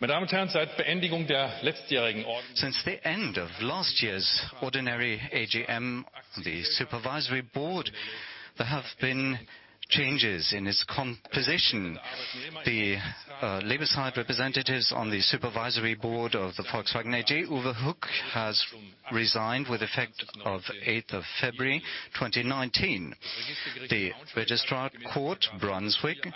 My ladies and gentlemen, since the end of last year's ordinary AGM, the Supervisory Board, there have been changes in its composition. The labor-side representatives on the Supervisory Board of Volkswagen AG, Uwe Hück, has resigned with effect of 8th of February, 2019. The registrar court, Braunschweig,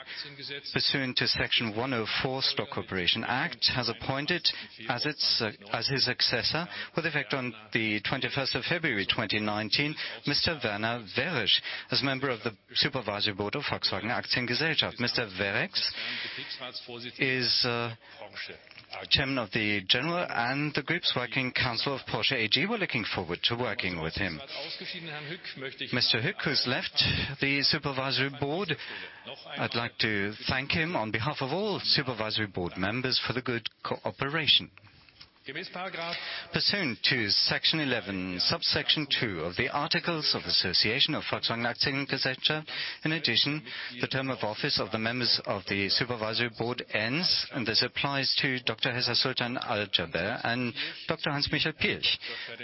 pursuant to Section 104 German Stock Corporation Act, has appointed as his successor, with effect on the 21st of February, 2019, Mr. Werner Weresch as a member of the Supervisory Board of Volkswagen Aktiengesellschaft. Mr. Weresch is Chairman of the General and the Group's Working Council of Porsche AG. We're looking forward to working with him. Mr. Hück, who's left the Supervisory Board, I'd like to thank him on behalf of all Supervisory Board members for the good cooperation. Pursuant to Article 11(2) of the Articles of Association of Volkswagen Aktiengesellschaft, in addition, the term of office of the members of the Supervisory Board ends, and this applies to Dr. Hessa Sultan Al Jaber and Dr. Hans Michel Piëch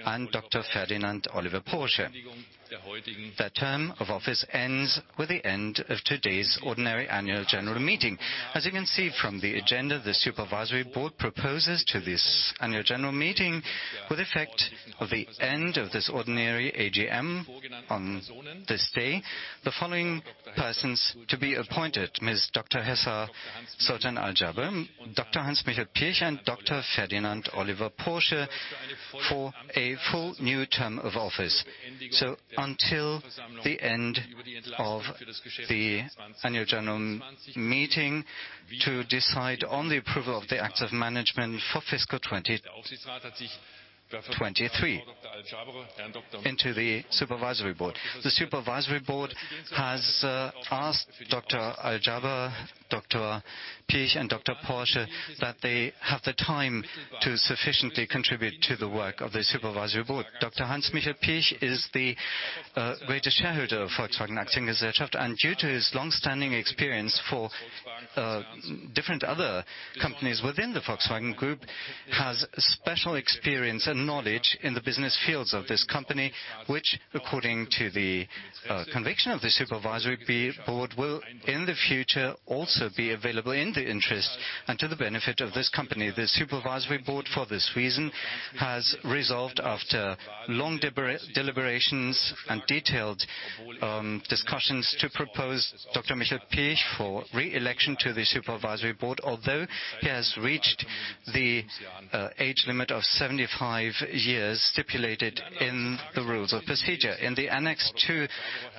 and Dr. Ferdinand Oliver Porsche. Their term of office ends with the end of today's ordinary annual general meeting. As you can see from the agenda, the Supervisory Board proposes to this annual general meeting, with effect of the end of this ordinary AGM on this day, the following persons to be appointed: Ms. Dr. Hessa Sultan Al Jaber, Dr. Hans Michel Piëch, and Dr. Ferdinand Oliver Porsche for a full new term of office. Until the end of the annual general meeting to decide on the approval of the acts of management for fiscal 2023 into the Supervisory Board. The Supervisory Board has asked Dr. Al Jaber, Dr. Piëch, and Dr. Porsche that they have the time to sufficiently contribute to the work of the Supervisory Board. Dr. Hans Michel Piëch is the greatest shareholder of Volkswagen Aktiengesellschaft, and due to his long-standing experience for different other companies within the Volkswagen Group, has special experience and knowledge in the business fields of this company, which according to the conviction of the Supervisory Board, will in the future also be available in the interest and to the benefit of this company. The Supervisory Board, for this reason, has resolved, after long deliberations and detailed discussions, to propose Dr. Michel Piëch for re-election to the Supervisory Board, although he has reached the age limit of 75 years stipulated in the rules of procedure. In the annex to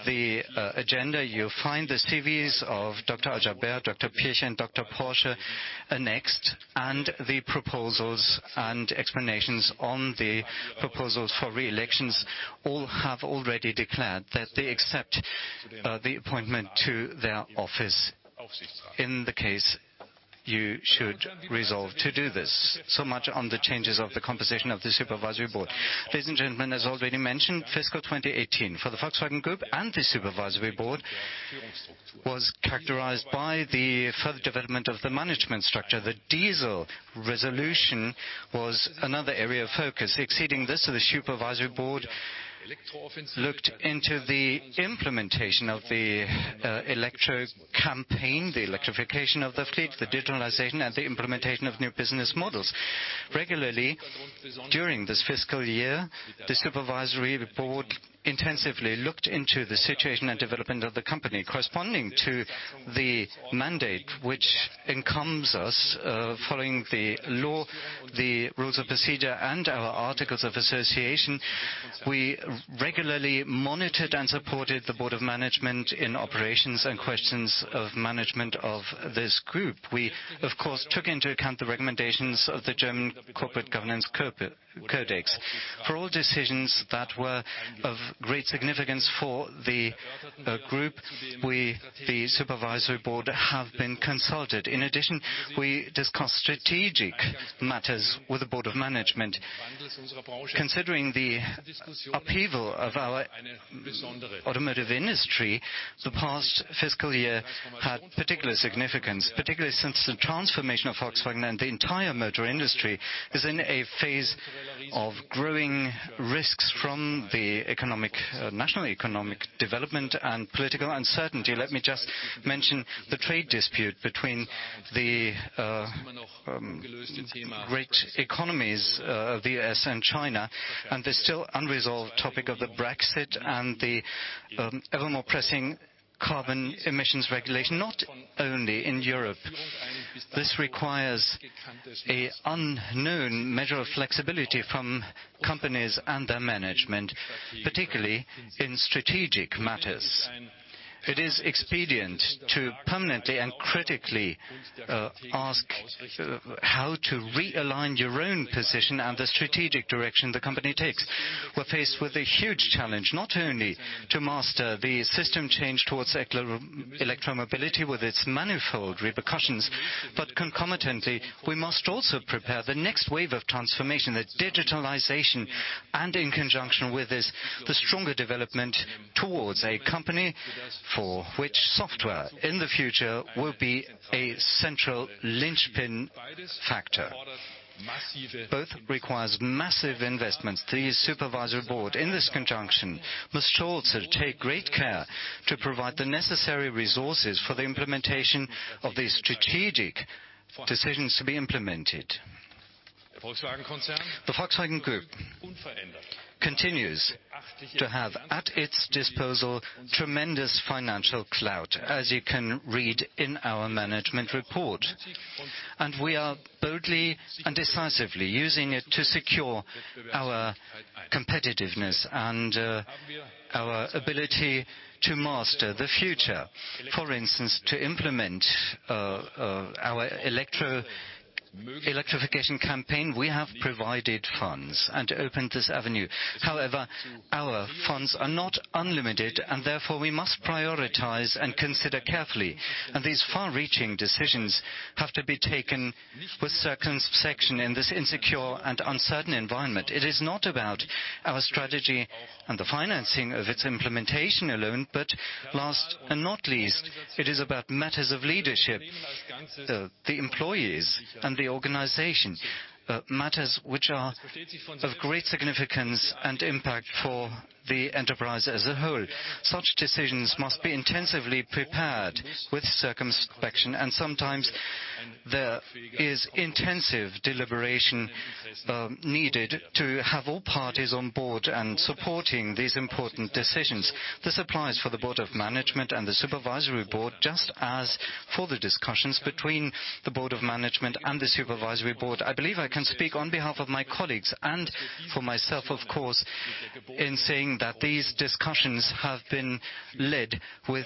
the agenda, you'll find the CVs of Dr. Al Jaber, Dr. Piëch, and Dr. Porsche annexed, and the proposals and explanations on the proposals for re-elections. All have already declared that they accept the appointment to their office, in the case you should resolve to do this. Much on the changes of the composition of the Supervisory Board. Ladies and gentlemen, as already mentioned, fiscal 2018 for the Volkswagen Group and the Supervisory Board was characterized by the further development of the management structure. The diesel resolution was another area of focus. Exceeding this, the Supervisory Board looked into the implementation of the electro campaign, the electrification of the fleet, the digitalization, and the implementation of new business models. Regularly, during this fiscal year, the Supervisory Board intensively looked into the situation and development of the company. Corresponding to the mandate which incumbes us, following the law, the rules of procedure, and our articles of association, we regularly monitored and supported the Board of Management in operations and questions of management of this group. We, of course, took into account the recommendations of the German Corporate Governance Code. For all decisions that were of great significance for the group, we, the Supervisory Board, have been consulted. In addition, we discussed strategic matters with the Board of Management. Considering the upheaval of our automotive industry, the past fiscal year had particular significance, particularly since the transformation of Volkswagen and the entire motor industry is in a phase of growing risks from the national economic development and political uncertainty. Let me just mention the trade dispute between the great economies of the U.S. and China, the still unresolved topic of the Brexit and the ever more pressing carbon emissions regulation, not only in Europe. This requires an unknown measure of flexibility from companies and their management, particularly in strategic matters. It is expedient to permanently and critically ask how to realign your own position and the strategic direction the company takes. We are faced with a huge challenge, not only to master the system change towards electromobility with its manifold repercussions, but concomitantly, we must also prepare the next wave of transformation, the digitalization, and in conjunction with this, the stronger development towards a company for which software in the future will be a central linchpin factor. Both require massive investments. The Supervisory Board, in this conjunction, was sure to take great care to provide the necessary resources for the implementation of the strategic decisions to be implemented. The Volkswagen Group continues to have at its disposal tremendous financial clout, as you can read in our management report. We are boldly and decisively using it to secure our competitiveness and our ability to master the future. For instance, to implement our electrification campaign, we have provided funds and opened this avenue. However, our funds are not unlimited and therefore we must prioritize and consider carefully. These far-reaching decisions have to be taken with circumspection in this insecure and uncertain environment. It is not about our strategy and the financing of its implementation alone. Last and not least, it is about matters of leadership, the employees and the organization. Matters which are of great significance and impact for the enterprise as a whole. Such decisions must be intensively prepared with circumspection, and sometimes there is intensive deliberation needed to have all parties on board and supporting these important decisions. This applies for the Board of Management and the Supervisory Board, just as for the discussions between the Board of Management and the Supervisory Board. I believe I can speak on behalf of my colleagues and for myself, of course, in saying that these discussions have been led with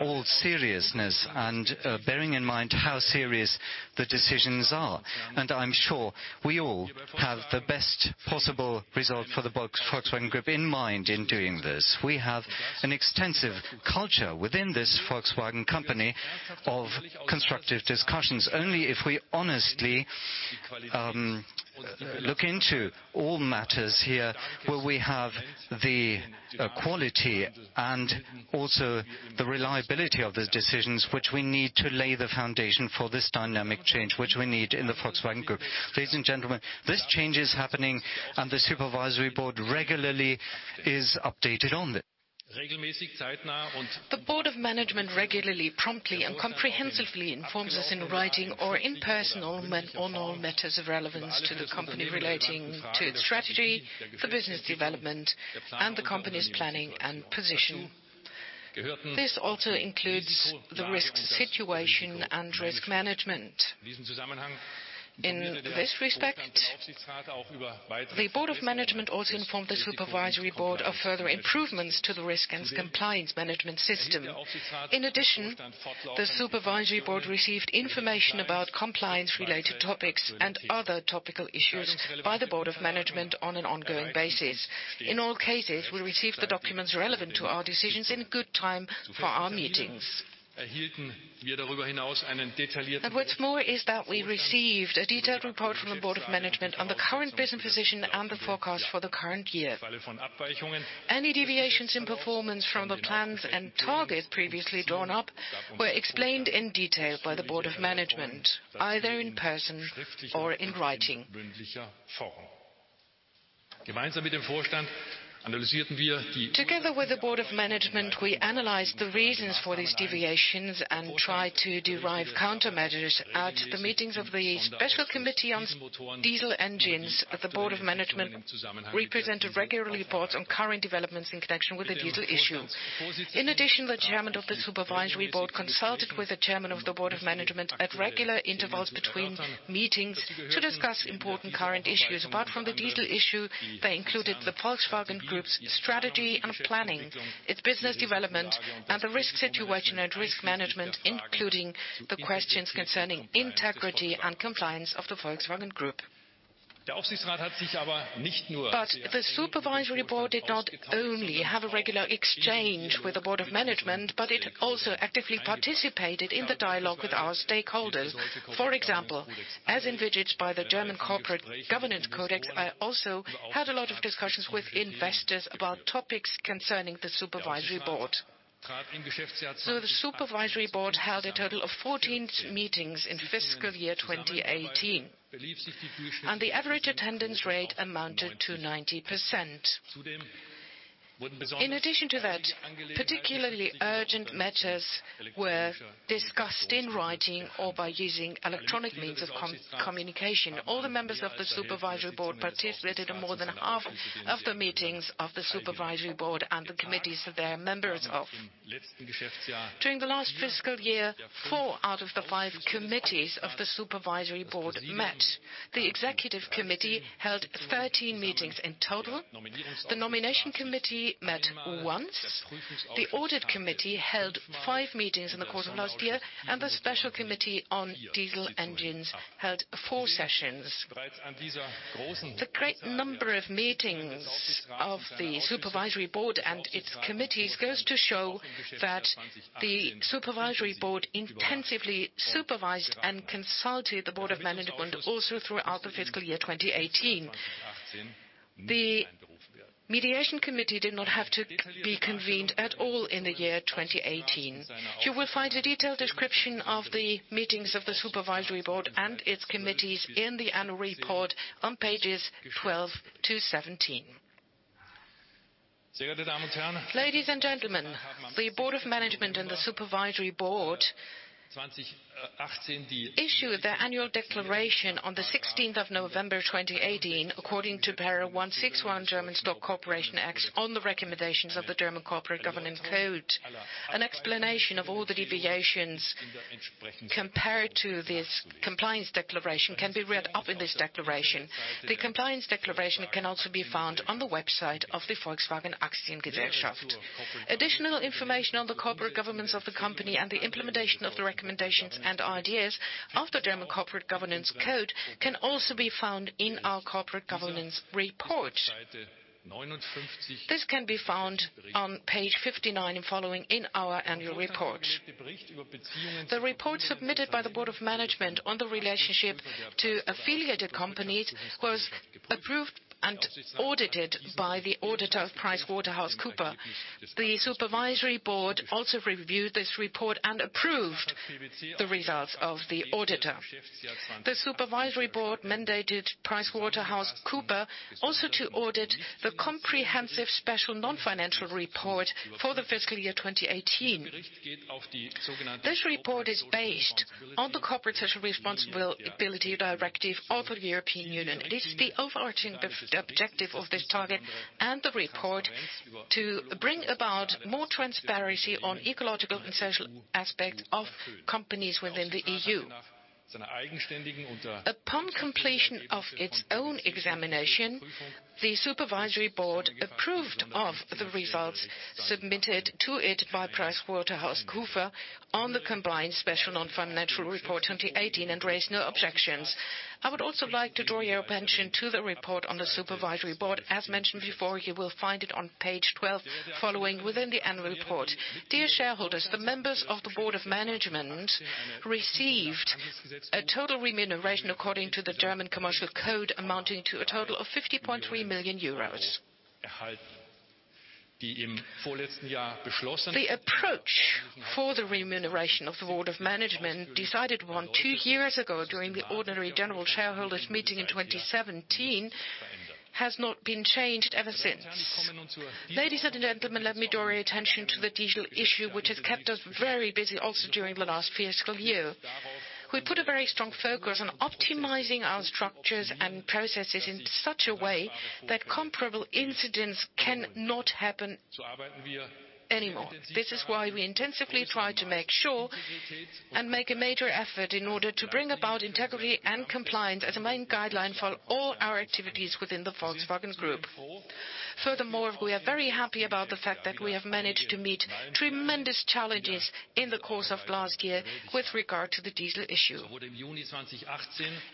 all seriousness and bearing in mind how serious the decisions are. I'm sure we all have the best possible result for the Volkswagen Group in mind in doing this. We have an extensive culture within this Volkswagen Group of constructive discussions. Only if we honestly look into all matters here, will we have the quality and also the reliability of the decisions which we need to lay the foundation for this dynamic change, which we need in the Volkswagen Group. Ladies and gentlemen, this change is happening and the Supervisory Board regularly is updated on this. The Board of Management regularly, promptly, and comprehensively informs us in writing or in person on all matters of relevance to the company relating to its strategy, the business development, and the company's planning and position. This also includes the risk situation and risk management. In this respect, the Board of Management also informed the Supervisory Board of further improvements to the risk and compliance management system. In addition, the Supervisory Board received information about compliance-related topics and other topical issues by the Board of Management on an ongoing basis. In all cases, we received the documents relevant to our decisions in good time for our meetings. What's more is that we received a detailed report from the Board of Management on the current business position and the forecast for the current year. Any deviations in performance from the plans and target previously drawn up were explained in detail by the Board of Management, either in person or in writing. Together with the Board of Management, we analyzed the reasons for these deviations and tried to derive countermeasures. At the meetings of the Special Committee on diesel engines, the Board of Management represented regular reports on current developments in connection with the diesel issue. In addition, the Chairman of the Supervisory Board consulted with the Chairman of the Board of Management at regular intervals between meetings to discuss important current issues. Apart from the diesel issue, they included the Volkswagen Group's strategy and planning, its business development, and the risk situation and risk management, including the questions concerning integrity and compliance of the Volkswagen Group. The Supervisory Board did not only have a regular exchange with the Board of Management, but it also actively participated in the dialogue with our stakeholders. For example, as envisaged by the German Corporate Governance Code, I also had a lot of discussions with investors about topics concerning the Supervisory Board. The Supervisory Board held a total of 14 meetings in fiscal year 2018, and the average attendance rate amounted to 90%. In addition to that, particularly urgent matters were discussed in writing or by using electronic means of communication. All the members of the Supervisory Board participated in more than half of the meetings of the Supervisory Board and the committees that they are members of. During the last fiscal year, four out of the five committees of the Supervisory Board met. The Executive Committee held 13 meetings in total. The Nomination Committee met once. The Audit Committee held five meetings in the course of last year. The Special Committee on diesel engines held four sessions. The great number of meetings of the supervisory board and its committees goes to show that the supervisory board intensively supervised and consulted the Board of Management also throughout the fiscal year 2018. The mediation committee did not have to be convened at all in the year 2018. You will find a detailed description of the meetings of the supervisory board and its committees in the annual report on pages 12-17. Ladies and gentlemen, the Board of Management and the supervisory board issued their annual declaration on the 16th of November, 2018, according to Section 161 German Stock Corporation Act on the recommendations of the German Corporate Governance Code. An explanation of all the deviations compared to this compliance declaration can be read up in this declaration. The compliance declaration can also be found on the website of the Volkswagen Aktiengesellschaft. Additional information on the corporate governance of the company and the implementation of the recommendations and ideas of the German Corporate Governance Code can also be found in our corporate governance report. This can be found on page 59 and following in our annual report. The report submitted by the Board of Management on the relationship to affiliated companies was approved and audited by the auditor of PricewaterhouseCoopers. The supervisory board also reviewed this report and approved the results of the auditor. The supervisory board mandated PricewaterhouseCoopers also to audit the comprehensive special non-financial report for the fiscal year 2018. This report is based on the Corporate Sustainability Reporting Directive of the European Union. It's the overarching objective of this target and the report to bring about more transparency on ecological and social aspects of companies within the EU. Upon completion of its own examination, the supervisory board approved of the results submitted to it by PricewaterhouseCoopers on the combined special non-financial report 2018 and raised no objections. I would also like to draw your attention to the report on the supervisory board. As mentioned before, you will find it on page 12 following within the annual report. Dear shareholders, the members of the Board of Management received a total remuneration according to the German Commercial Code amounting to a total of 50.3 million euros. The approach for the remuneration of the Board of Management decided on two years ago during the ordinary general shareholders meeting in 2017 has not been changed ever since. Ladies and gentlemen, let me draw your attention to the diesel issue, which has kept us very busy also during the last fiscal year. We put a very strong focus on optimizing our structures and processes in such a way that comparable incidents cannot happen anymore. This is why we intensively try to make sure and make a major effort in order to bring about integrity and compliance as a main guideline for all our activities within the Volkswagen Group. We are very happy about the fact that we have managed to meet tremendous challenges in the course of last year with regard to the diesel issue.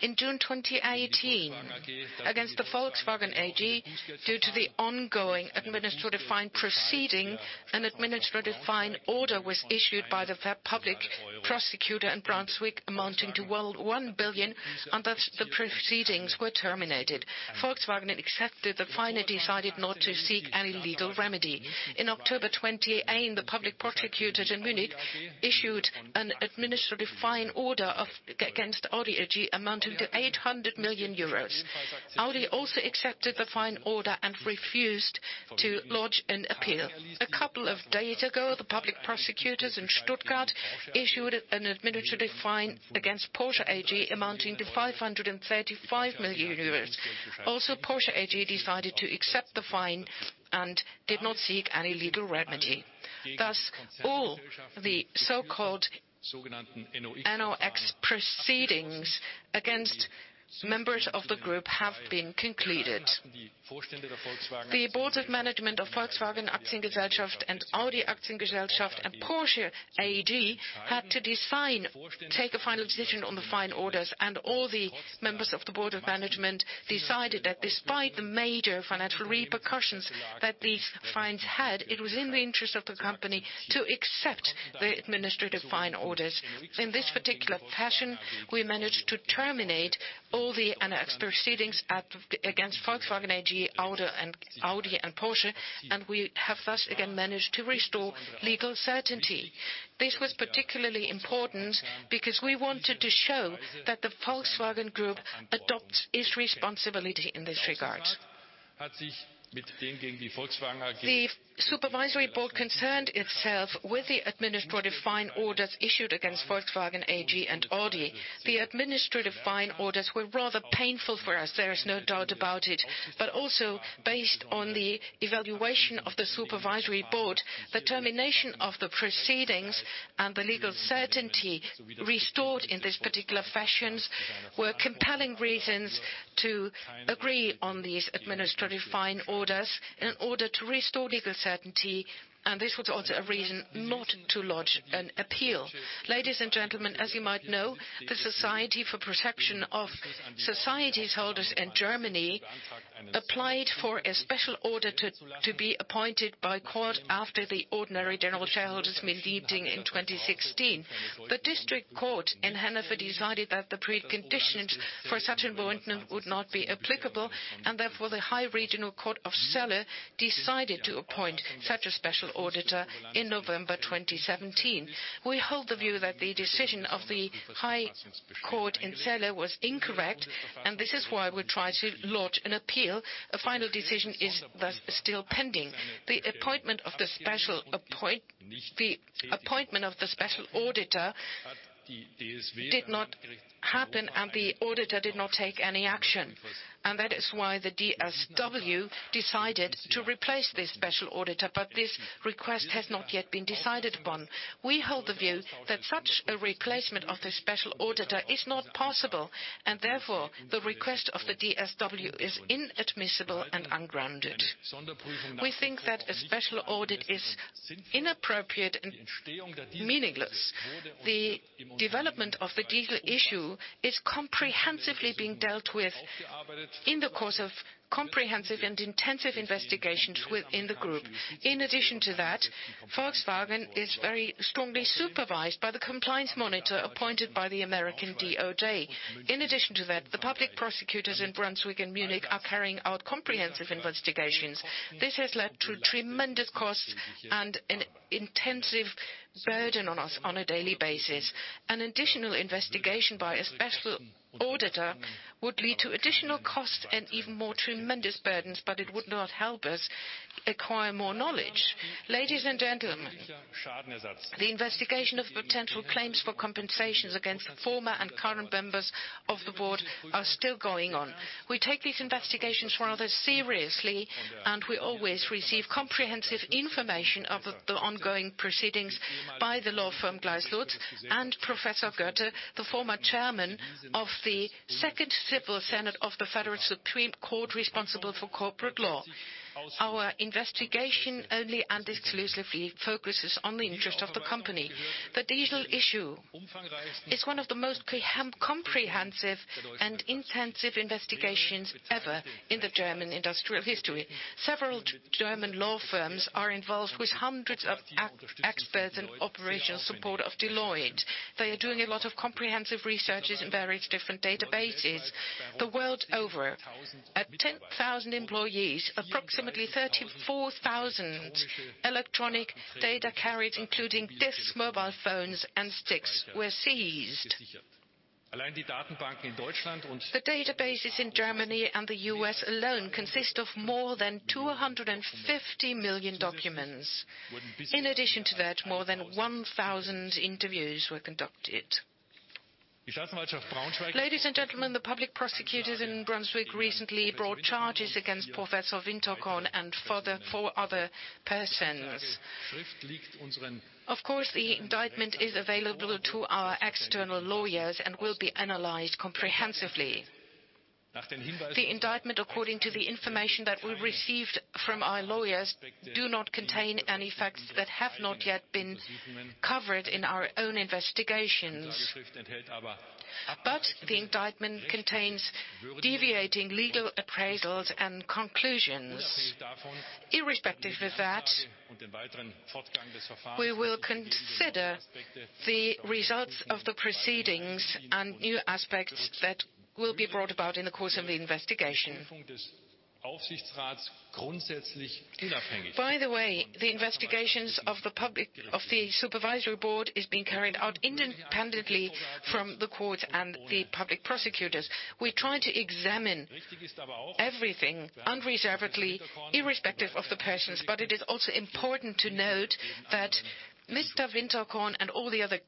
In June 2018, against the Volkswagen AG, due to the ongoing administrative fine proceeding, an administrative fine order was issued by the public prosecutor in Braunschweig amounting to 1 billion. Thus, the proceedings were terminated. Volkswagen accepted the fine and decided not to seek any legal remedy. In October 2018, the public prosecutors in Munich issued an administrative fine order against Audi AG amounting to 800 million euros. Audi also accepted the fine order and refused to lodge an appeal. A couple of days ago, the public prosecutors in Stuttgart issued an administrative fine against Porsche AG amounting to 535 million euros. Porsche AG decided to accept the fine and did not seek any legal remedy. Thus, all the so-called NOx proceedings against members of the group have been concluded. The board of management of Volkswagen Aktiengesellschaft and Audi Aktiengesellschaft and Porsche AG had to take a final decision on the fine orders. All the members of the board of management decided that despite the major financial repercussions that these fines had, it was in the interest of the company to accept the administrative fine orders. In this particular fashion, we managed to terminate all the NOx proceedings against Volkswagen AG, Audi, and Porsche. We have thus again managed to restore legal certainty. This was particularly important because we wanted to show that the Volkswagen Group adopts its responsibility in this regard. The supervisory board concerned itself with the administrative fine orders issued against Volkswagen AG and Audi. The administrative fine orders were rather painful for us, there is no doubt about it. Based on the evaluation of the supervisory board, the termination of the proceedings and the legal certainty restored in these particular fashions were compelling reasons to agree on these administrative fine orders in order to restore legal certainty. This was also a reason not to lodge an appeal. Ladies and gentlemen, as you might know, the Deutsche Schutzvereinigung für Wertpapierbesitz in Germany applied for a special auditor to be appointed by court after the ordinary general shareholders meeting in 2016. The district court in Hannover decided that the preconditions for such an appointment would not be applicable. Therefore, the Higher Regional Court of Celle decided to appoint such a special auditor in November 2017. We hold the view that the decision of the Higher Regional Court of Celle was incorrect. This is why we try to lodge an appeal. A final decision is thus still pending. The appointment of the special auditor did not happen. The auditor did not take any action. That is why the DSW decided to replace this special auditor, but this request has not yet been decided upon. We hold the view that such a replacement of the special auditor is not possible. Therefore, the request of the DSW is inadmissible and ungrounded. We think that a special audit is inappropriate and meaningless. The development of the diesel issue is comprehensively being dealt with in the course of comprehensive and intensive investigations within the group. In addition to that, Volkswagen is very strongly supervised by the compliance monitor appointed by the U.S. DOJ. In addition to that, the public prosecutors in Braunschweig and Munich are carrying out comprehensive investigations. This has led to tremendous costs and an intensive burden on us on a daily basis. An additional investigation by a special auditor would lead to additional costs and even more tremendous burdens, but it would not help us acquire more knowledge. Ladies and gentlemen, the investigation of potential claims for compensations against former and current members of the Board are still going on. We take these investigations rather seriously, and we always receive comprehensive information of the ongoing proceedings by the law firm Gleiss Lutz and Professor Goette, the former Chairman of the Second Civil Senate of the Federal Court of Justice responsible for corporate law. Our investigation only and exclusively focuses on the interest of the company. The diesel issue is one of the most comprehensive and intensive investigations ever in the German industrial history. Several German law firms are involved with hundreds of experts and operational support of Deloitte. They are doing a lot of comprehensive researches in various different databases. The world over, 10,000 employees, approximately 34,000 electronic data carriers, including discs, mobile phones, and sticks, were seized. The databases in Germany and the U.S. alone consist of more than 250 million documents. In addition to that, more than 1,000 interviews were conducted. Ladies and gentlemen, the public prosecutors in Braunschweig recently brought charges against Professor Winterkorn and four other persons. Of course, the indictment is available to our external lawyers and will be analyzed comprehensively. The indictment, according to the information that we received from our lawyers, do not contain any facts that have not yet been covered in our own investigations. The indictment contains deviating legal appraisals and conclusions. Irrespective of that, we will consider the results of the proceedings and new aspects that will be brought about in the course of the investigation. By the way, the investigations of the Supervisory Board is being carried out independently from the courts and the public prosecutors. We try to examine everything unreservedly, irrespective of the persons. It is also important to note that Mr. Winterkorn and all the other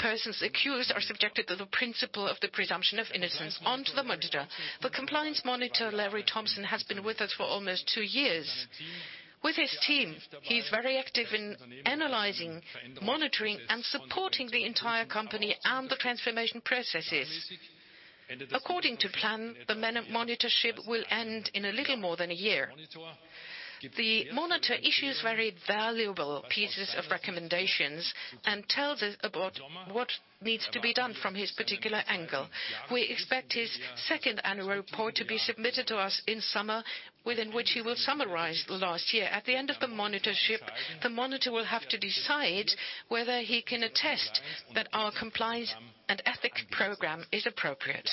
persons accused are subjected to the principle of the presumption of innocence. On to the monitor. The Compliance Monitor, Larry Thompson, has been with us for almost two years. With his team, he's very active in analyzing, monitoring, and supporting the entire company and the transformation processes. According to plan, the monitorship will end in a little more than a year. The monitor issues very valuable pieces of recommendations and tells us about what needs to be done from his particular angle. We expect his second annual report to be submitted to us in summer, within which he will summarize the last year. At the end of the monitorship, the monitor will have to decide whether he can attest that our compliance and ethics program is appropriate.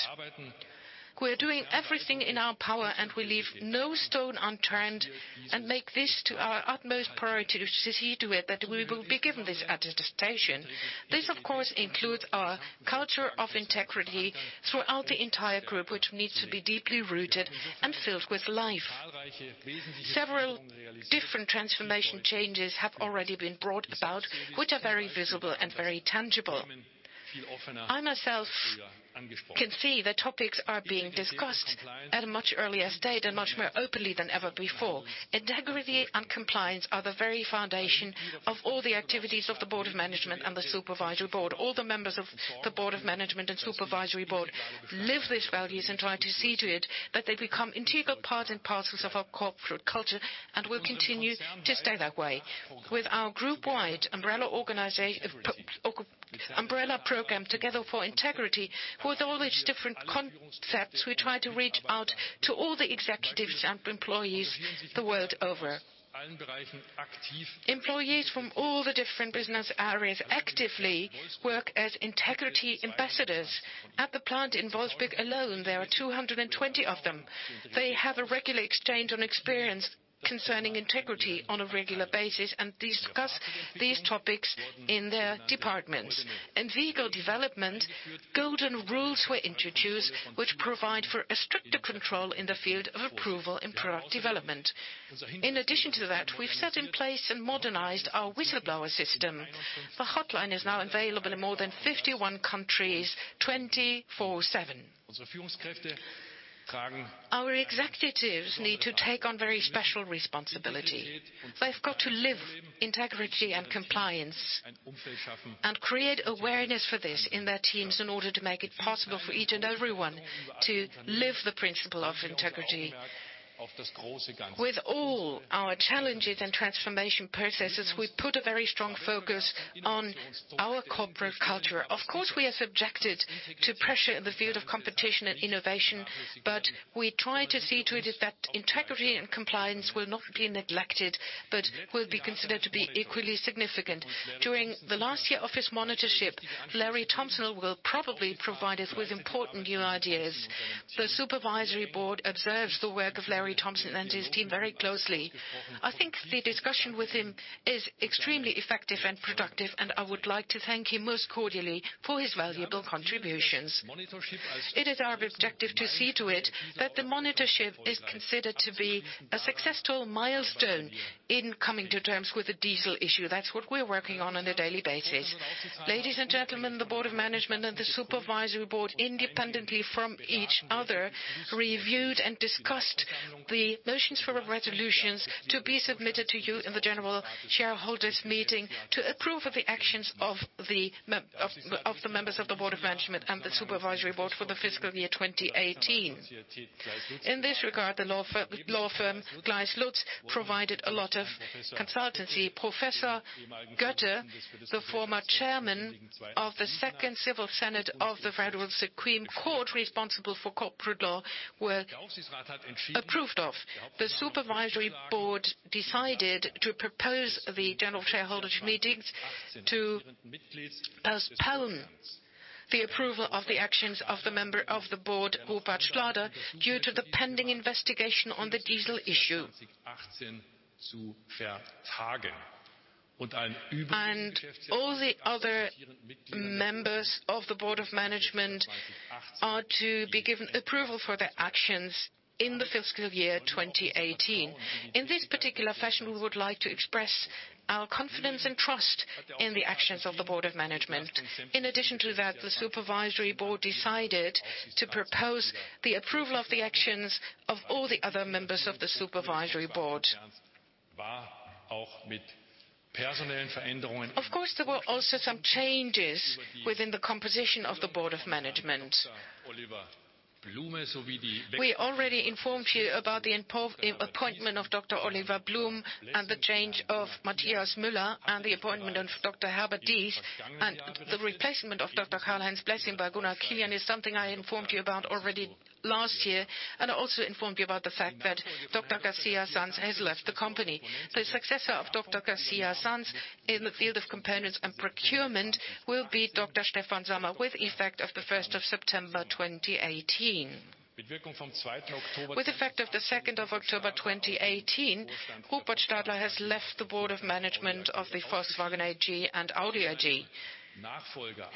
We're doing everything in our power, and we leave no stone unturned and make this to our utmost priority to see to it that we will be given this attestation. This, of course, includes our culture of integrity throughout the entire group, which needs to be deeply rooted and filled with life. Several different transformation changes have already been brought about, which are very visible and very tangible. I myself can see that topics are being discussed at a much earlier state and much more openly than ever before. Integrity and compliance are the very foundation of all the activities of the board of management and the supervisory board. All the members of the board of management and supervisory board live these values and try to see to it that they become integral part and parcels of our corporate culture and will continue to stay that way. With our group-wide umbrella program, Together for Integrity, with all these different concepts, we try to reach out to all the executives and employees the world over. Employees from all the different business areas actively work as integrity ambassadors. At the plant in Wolfsburg alone, there are 220 of them. They have a regular exchange on experience concerning integrity on a regular basis and discuss these topics in their departments. In vehicle development, Golden Rules were introduced, which provide for a stricter control in the field of approval in product development. In addition to that, we've set in place and modernized our whistleblower system. The hotline is now available in more than 51 countries, 24/7. Our executives need to take on very special responsibility. They've got to live integrity and compliance and create awareness for this in their teams in order to make it possible for each and everyone to live the principle of integrity. With all our challenges and transformation processes, we put a very strong focus on our corporate culture. Of course, we are subjected to pressure in the field of competition and innovation, but we try to see to it that integrity and compliance will not be neglected, but will be considered to be equally significant. During the last year of his monitorship, Larry Thompson will probably provide us with important new ideas. The supervisory board observes the work of Larry Thompson and his team very closely. I think the discussion with him is extremely effective and productive, and I would like to thank him most cordially for his valuable contributions. It is our objective to see to it that the monitorship is considered to be a successful milestone in coming to terms with the diesel issue. That's what we're working on a daily basis. Ladies and gentlemen, the board of management and the supervisory board, independently from each other, reviewed and discussed the motions for resolutions to be submitted to you in the general shareholders meeting to approve of the actions of the members of the board of management and the supervisory board for the fiscal year 2018. In this regard, the law firm, Gleiss Lutz, provided a lot of consultancy. Professor Götz, the former chairman of the Second Civil Senate of the Federal Court of Justice responsible for corporate law, were approved of. The supervisory board decided to propose the general shareholders meetings to postpone the approval of the actions of the member of the board, Rupert Stadler, due to the pending investigation on the diesel issue. All the other members of the board of management are to be given approval for their actions in the fiscal year 2018. In this particular fashion, we would like to express our confidence and trust in the actions of the board of management. In addition to that, the supervisory board decided to propose the approval of the actions of all the other members of the supervisory board. Of course, there were also some changes within the composition of the board of management. We already informed you about the appointment of Dr. Oliver Blume and the change of Matthias Müller and the appointment of Dr. Herbert Diess and the replacement of Dr. Karlheinz Blessing by Gunnar Kilian is something I informed you about already last year. I also informed you about the fact that Dr. García Sanz has left the company. The successor of Dr. García Sanz in the field of components and procurement will be Dr. Stefan Sommer with effect of the 1st of September, 2018. With effect of the 2nd of October, 2018, Rupert Stadler has left the board of management of the Volkswagen AG and Audi AG.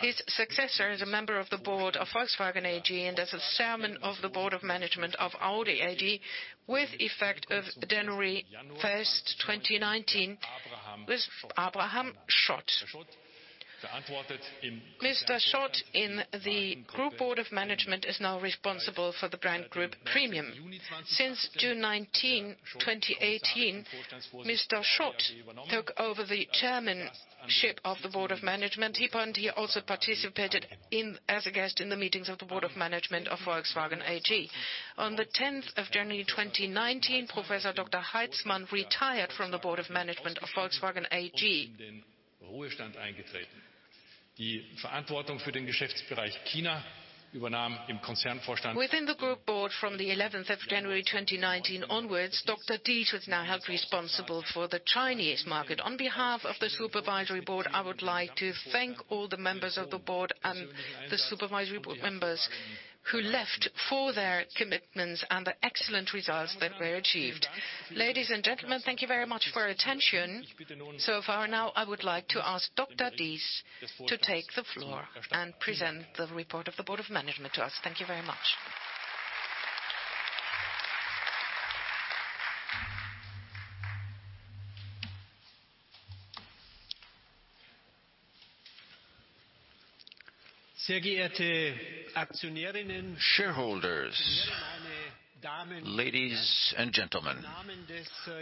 His successor as a member of the board of Volkswagen AG and as a chairman of the board of management of Audi AG with effect of January 1st, 2019, was Abraham Schot. Mr. Schot in the group board of management is now responsible for the brand group premium. Since June 19, 2018, Mr. Schot took over the chairmanship of the board of management. He also participated as a guest in the meetings of the board of management of Volkswagen AG. On the 10th of January, 2019, Professor Dr. Heizmann retired from the board of management of Volkswagen AG. Within the group board from the 11th of January, 2019 onwards, Dr. Diess was now held responsible for the Chinese market. On behalf of the supervisory board, I would like to thank all the members of the board and the supervisory board members who left for their commitments and the excellent results that were achieved. Ladies and gentlemen, thank you very much for your attention so far. I would like to ask Dr. Diess to take the floor and present the report of the Board of Management to us. Thank you very much. Shareholders, ladies and gentlemen.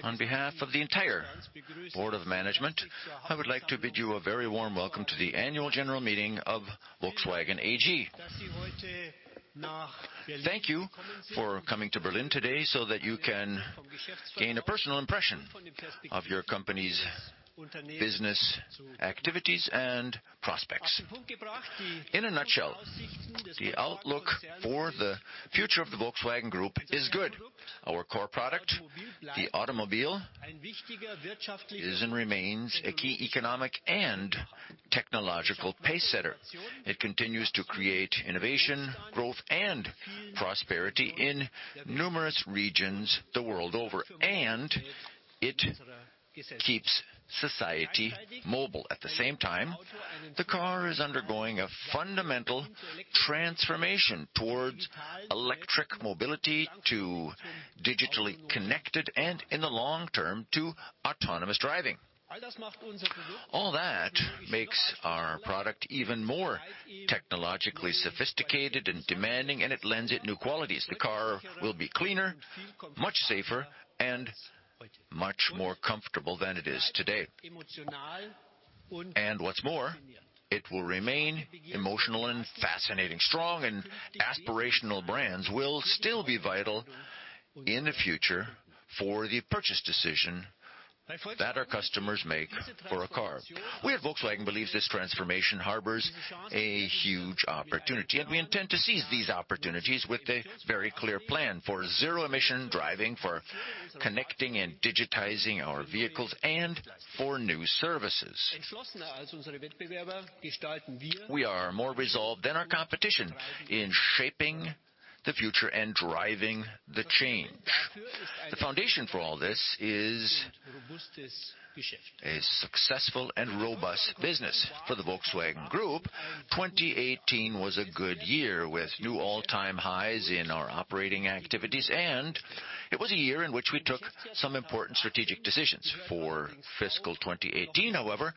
On behalf of the entire Board of Management, I would like to bid you a very warm welcome to the annual general meeting of Volkswagen AG. Thank you for coming to Berlin today so that you can gain a personal impression of your company's business activities and prospects. In a nutshell, the outlook for the future of the Volkswagen Group is good. Our core product, the automobile, is and remains a key economic and technological pacesetter. It continues to create innovation, growth, and prosperity in numerous regions the world over, and it keeps society mobile. At the same time, the car is undergoing a fundamental transformation towards electric mobility to digitally connected and in the long-term to autonomous driving. All that makes our product even more technologically sophisticated and demanding, and it lends it new qualities. The car will be cleaner, much safer, and much more comfortable than it is today. What's more, it will remain emotional and fascinating. Strong and aspirational brands will still be vital in the future for the purchase decision that our customers make for a car. We at Volkswagen believe this transformation harbors a huge opportunity, and we intend to seize these opportunities with a very clear plan for zero-emission driving, for connecting and digitizing our vehicles, and for new services. We are more resolved than our competition in shaping the future and driving the change. The foundation for all this is a successful and robust business. For the Volkswagen Group, 2018 was a good year with new all-time highs in our operating activities, and it was a year in which we took some important strategic decisions. For fiscal 2018, however,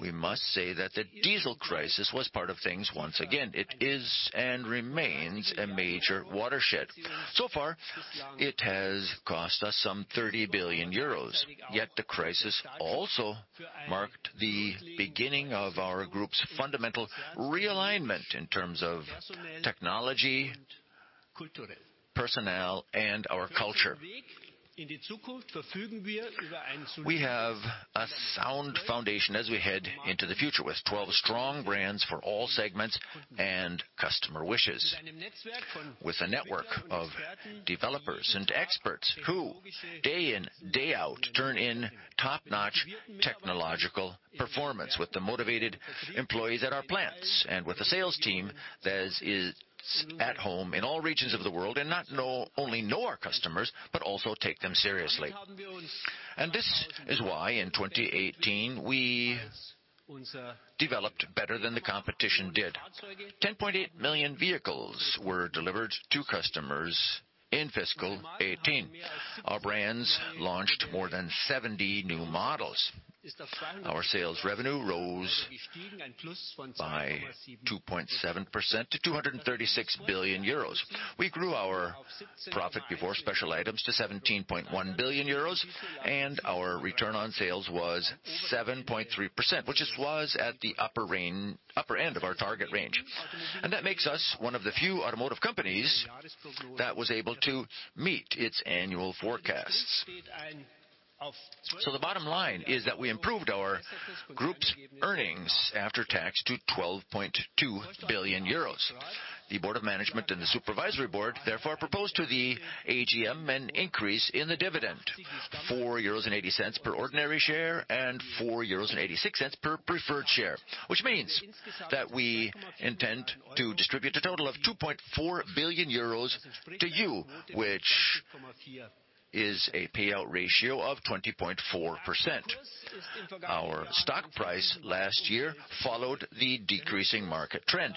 we must say that the diesel crisis was part of things once again. It is and remains a major watershed. Far, it has cost us some 30 billion euros. Yet the crisis also marked the beginning of our group's fundamental realignment in terms of technology, personnel, and our culture. We have a sound foundation as we head into the future with 12 strong brands for all segments and customer wishes. With a network of developers and experts who, day in, day out, turn in top-notch technological performance with the motivated employees at our plants and with a sales team that is at home in all regions of the world and not only know our customers, but also take them seriously. This is why in 2018, we developed better than the competition did. 10.8 million vehicles were delivered to customers in fiscal 2018. Our brands launched more than 70 new models. Our sales revenue rose by 2.7% to 236 billion euros. We grew our profit before special items to 17.1 billion euros, and our return on sales was 7.3%, which was at the upper end of our target range. That makes us one of the few automotive companies that was able to meet its annual forecasts. The bottom line is that we improved our group's earnings after tax to 12.2 billion euros. The Board of Management and the Supervisory Board therefore proposed to the AGM an increase in the dividend, EUR 4.80 per ordinary share and EUR 4.86 per preferred share, which means that we intend to distribute a total of 2.4 billion euros to you, which is a payout ratio of 20.4%. Our stock price last year followed the decreasing market trend.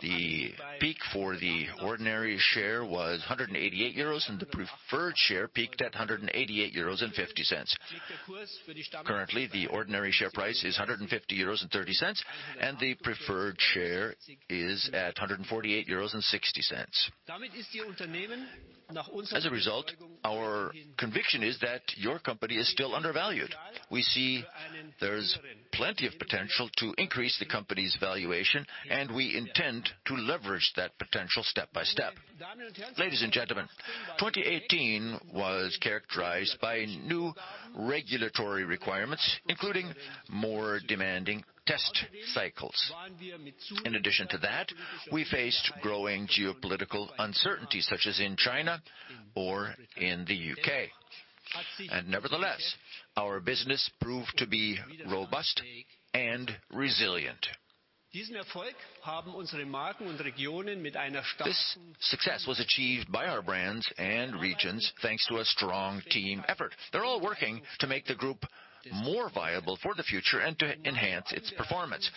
The peak for the ordinary share was 188 euros, and the preferred share peaked at 188.50 euros. Currently, the ordinary share price is 150.30 euros, and the preferred share is at 148.60 euros. As a result, our conviction is that your company is still undervalued. We see there's plenty of potential to increase the company's valuation, and we intend to leverage that potential step by step. Ladies and gentlemen, 2018 was characterized by new regulatory requirements, including more demanding test cycles. In addition to that, we faced growing geopolitical uncertainty, such as in China or in the U.K. Nevertheless, our business proved to be robust and resilient. This success was achieved by our brands and regions thanks to a strong team effort. They're all working to make the group more viable for the future and to enhance its performance.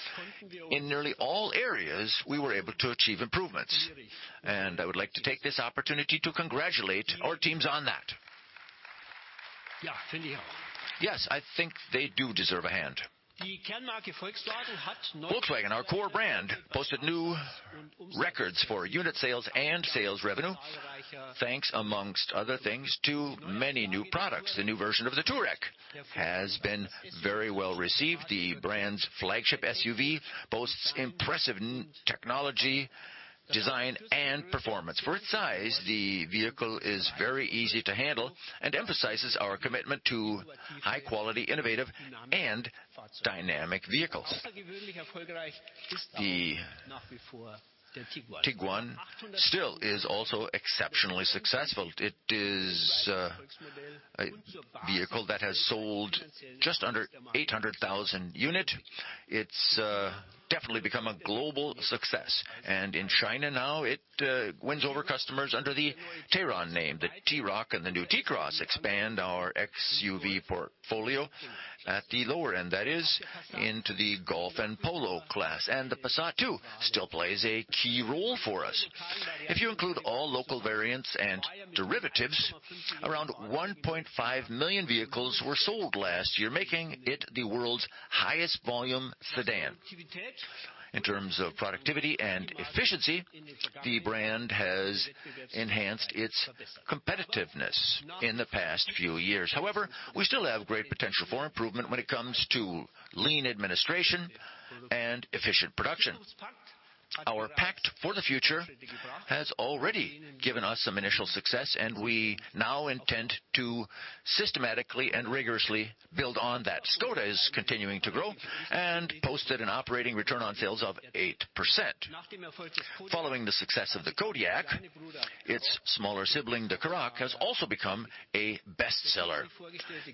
In nearly all areas, we were able to achieve improvements, I would like to take this opportunity to congratulate our teams on that. I think they do deserve a hand. Volkswagen, our core brand, posted new records for unit sales and sales revenue, thanks amongst other things to many new products. The new version of the Touareg has been very well received. The brand's flagship SUV boasts impressive technology, design, and performance. For its size, the vehicle is very easy to handle and emphasizes our commitment to high-quality, innovative, and dynamic vehicles. The Tiguan still is also exceptionally successful. It is a vehicle that has sold just under 800,000 unit. It's definitely become a global success, and in China now it wins over customers under the Tayron name. The T-Roc and the new T-Cross expand our XUV portfolio at the lower end, that is into the Golf and Polo class. The Passat, too, still plays a key role for us. If you include all local variants and derivatives, around 1.5 million vehicles were sold last year, making it the world's highest volume sedan. In terms of productivity and efficiency, the brand has enhanced its competitiveness in the past few years. We still have great potential for improvement when it comes to lean administration and efficient production. Our pact for the future has already given us some initial success, we now intend to systematically and rigorously build on that. Škoda is continuing to grow and posted an operating return on sales of 8%. Following the success of the Kodiaq, its smaller sibling, the Karoq, has also become a bestseller.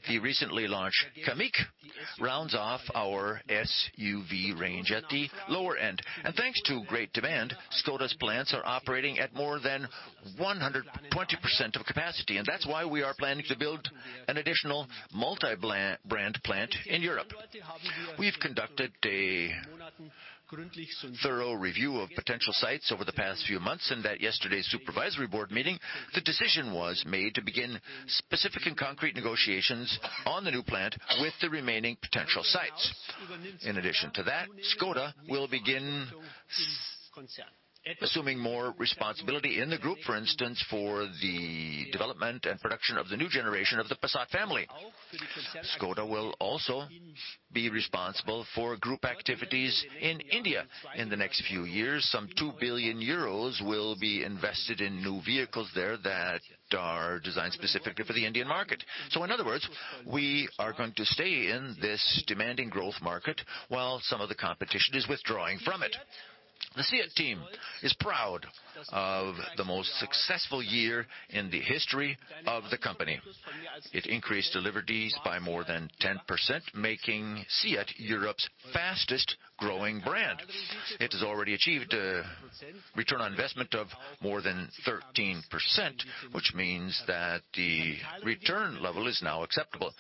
The recently launched Kamiq rounds off our SUV range at the lower end. Thanks to great demand, Škoda's plants are operating at more than 120% of capacity, that's why we are planning to build an additional multi-brand plant in Europe. We've conducted a thorough review of potential sites over the past few months, at yesterday's Supervisory Board meeting, the decision was made to begin specific and concrete negotiations on the new plant with the remaining potential sites. In addition to that, Škoda will begin assuming more responsibility in the group, for instance, for the development and production of the new generation of the Passat family. Škoda will also be responsible for group activities in India. In the next few years, some 2 billion euros will be invested in new vehicles there that are designed specifically for the Indian market. In other words, we are going to stay in this demanding growth market while some of the competition is withdrawing from it. The SEAT team is proud of the most successful year in the history of the company. It increased deliveries by more than 10%, making SEAT Europe's fastest-growing brand. It has already achieved a return on investment of more than 13%, which means that the return level is now acceptable.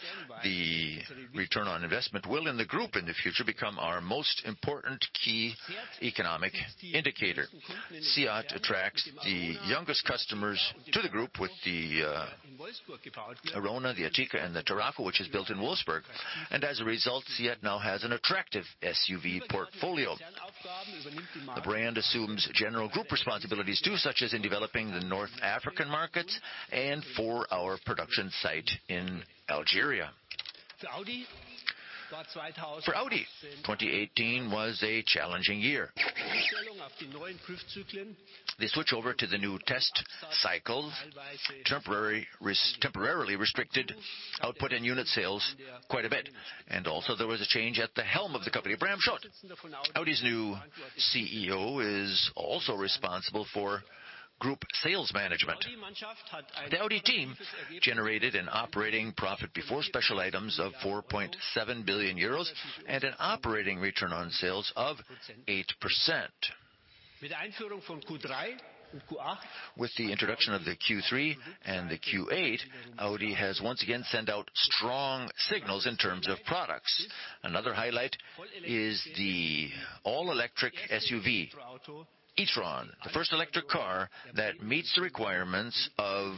The return on investment will, in the group in the future, become our most important key economic indicator. SEAT attracts the youngest customers to the group with the Arona, the Ateca, and the Tarraco, which is built in Wolfsburg, as a result, SEAT now has an attractive SUV portfolio. The brand assumes general group responsibilities, too, such as in developing the North African markets and for our production site in Algeria. For Audi, 2018 was a challenging year. The switchover to the new test cycles temporarily restricted output and unit sales quite a bit. Also there was a change at the helm of the company. Bram Schot, Audi's new CEO, is also responsible for group sales management. The Audi team generated an operating profit before special items of 4.7 billion euros and an operating return on sales of 8%. With the introduction of the Q3 and the Q8, Audi has once again sent out strong signals in terms of products. Another highlight is the all-electric SUV, e-tron, the first electric car that meets the requirements of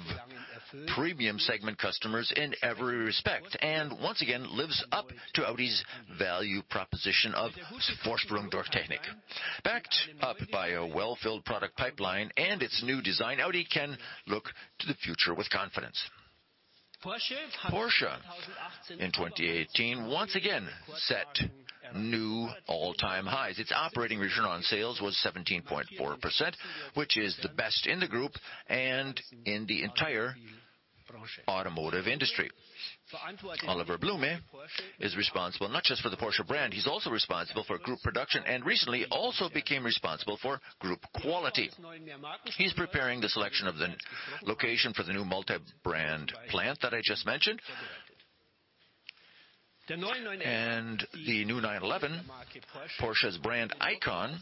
premium segment customers in every respect, and once again, lives up to Audi's value proposition of Vorsprung durch Technik. Backed up by a well-filled product pipeline and its new design, Audi can look to the future with confidence. Porsche in 2018, once again set new all-time highs. Its operating return on sales was 17.4%, which is the best in the group and in the entire automotive industry. Oliver Blume is responsible not just for the Porsche brand, he's also responsible for group production, and recently also became responsible for group quality. He's preparing the selection of the location for the new multi-brand plant that I just mentioned. The new 911, Porsche's brand icon,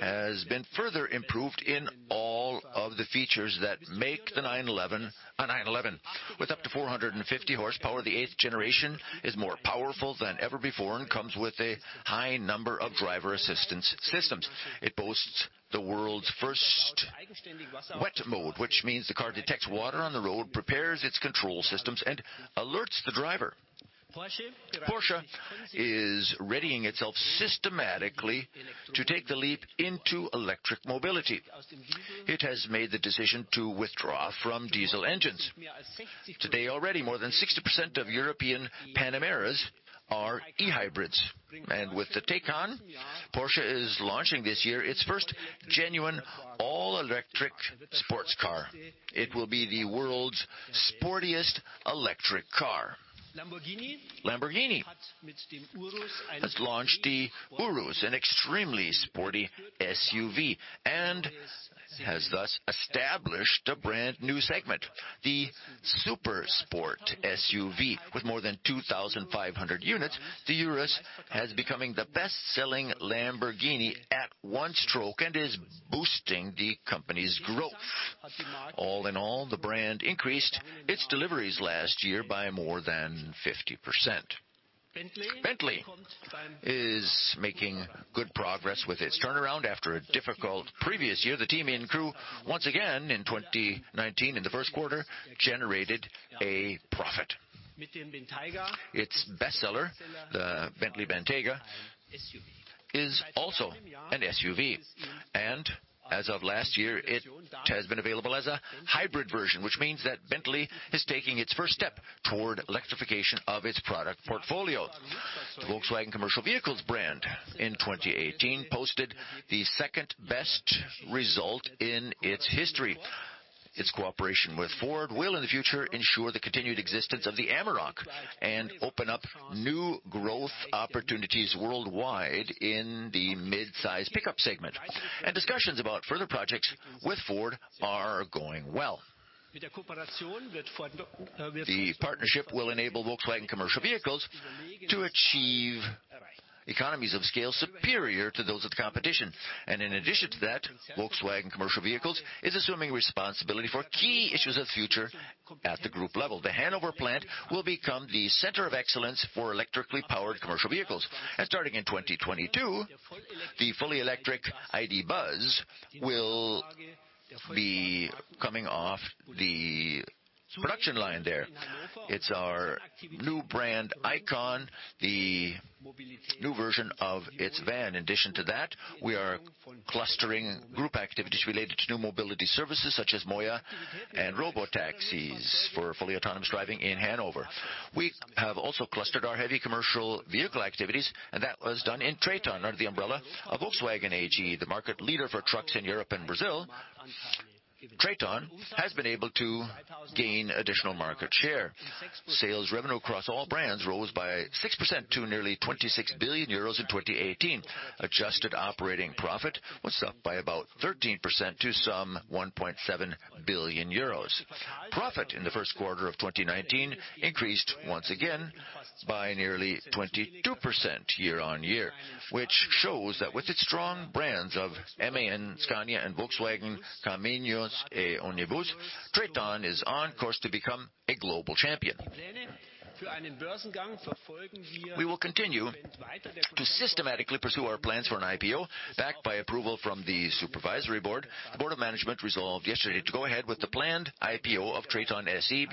has been further improved in all of the features that make the 911 a 911. With up to 450 horsepower, the eighth generation is more powerful than ever before and comes with a high number of driver assistance systems. It boasts the world's first wet mode, which means the car detects water on the road, prepares its control systems, and alerts the driver. Porsche is readying itself systematically to take the leap into electric mobility. It has made the decision to withdraw from diesel engines. Today, already more than 60% of European Panameras are e-hybrids. With the Taycan, Porsche is launching this year its first genuine all-electric sports car. It will be the world's sportiest electric car. Lamborghini has launched the Urus, an extremely sporty SUV, and has thus established a brand-new segment, the super sport SUV. With more than 2,500 units, the Urus has become the best-selling Lamborghini at one stroke and is boosting the company's growth. The brand increased its deliveries last year by more than 50%. Bentley is making good progress with its turnaround after a difficult previous year. The team and crew, once again in 2019, in the first quarter, generated a profit. Its best-seller, the Bentley Bentayga, is also an SUV, and as of last year, it has been available as a hybrid version, which means that Bentley is taking its first step toward electrification of its product portfolio. The Volkswagen commercial vehicles brand in 2018 posted the second-best result in its history. Its cooperation with Ford will in the future ensure the continued existence of the Amarok and open up new growth opportunities worldwide in the mid-size pickup segment. Discussions about further projects with Ford are going well. The partnership will enable Volkswagen commercial vehicles to achieve economies of scale superior to those of the competition. In addition to that, Volkswagen commercial vehicles is assuming responsibility for key issues of the future at the group level. The Hanover plant will become the center of excellence for electrically powered commercial vehicles. Starting in 2022, the fully electric ID. Buzz will be coming off the production line there. It's our new brand icon, the new version of its van. In addition to that, we are clustering group activities related to new mobility services such as MOIA and Robotaxis for fully autonomous driving in Hanover. We have also clustered our heavy commercial vehicle activities, and that was done in TRATON under the umbrella of Volkswagen AG, the market leader for trucks in Europe and Brazil. TRATON has been able to gain additional market share. Sales revenue across all brands rose by 6% to nearly 26 billion euros in 2018. Adjusted operating profit was up by about 13% to some 1.7 billion euros. Profit in the first quarter of 2019 increased once again by nearly 22% year on year, which shows that with its strong brands of MAN, Scania, and Volkswagen Caminhões e Ônibus, TRATON is on course to become a global champion. We will continue to systematically pursue our plans for an IPO backed by approval from the supervisory board. The board of management resolved yesterday to go ahead with the planned IPO of TRATON SE,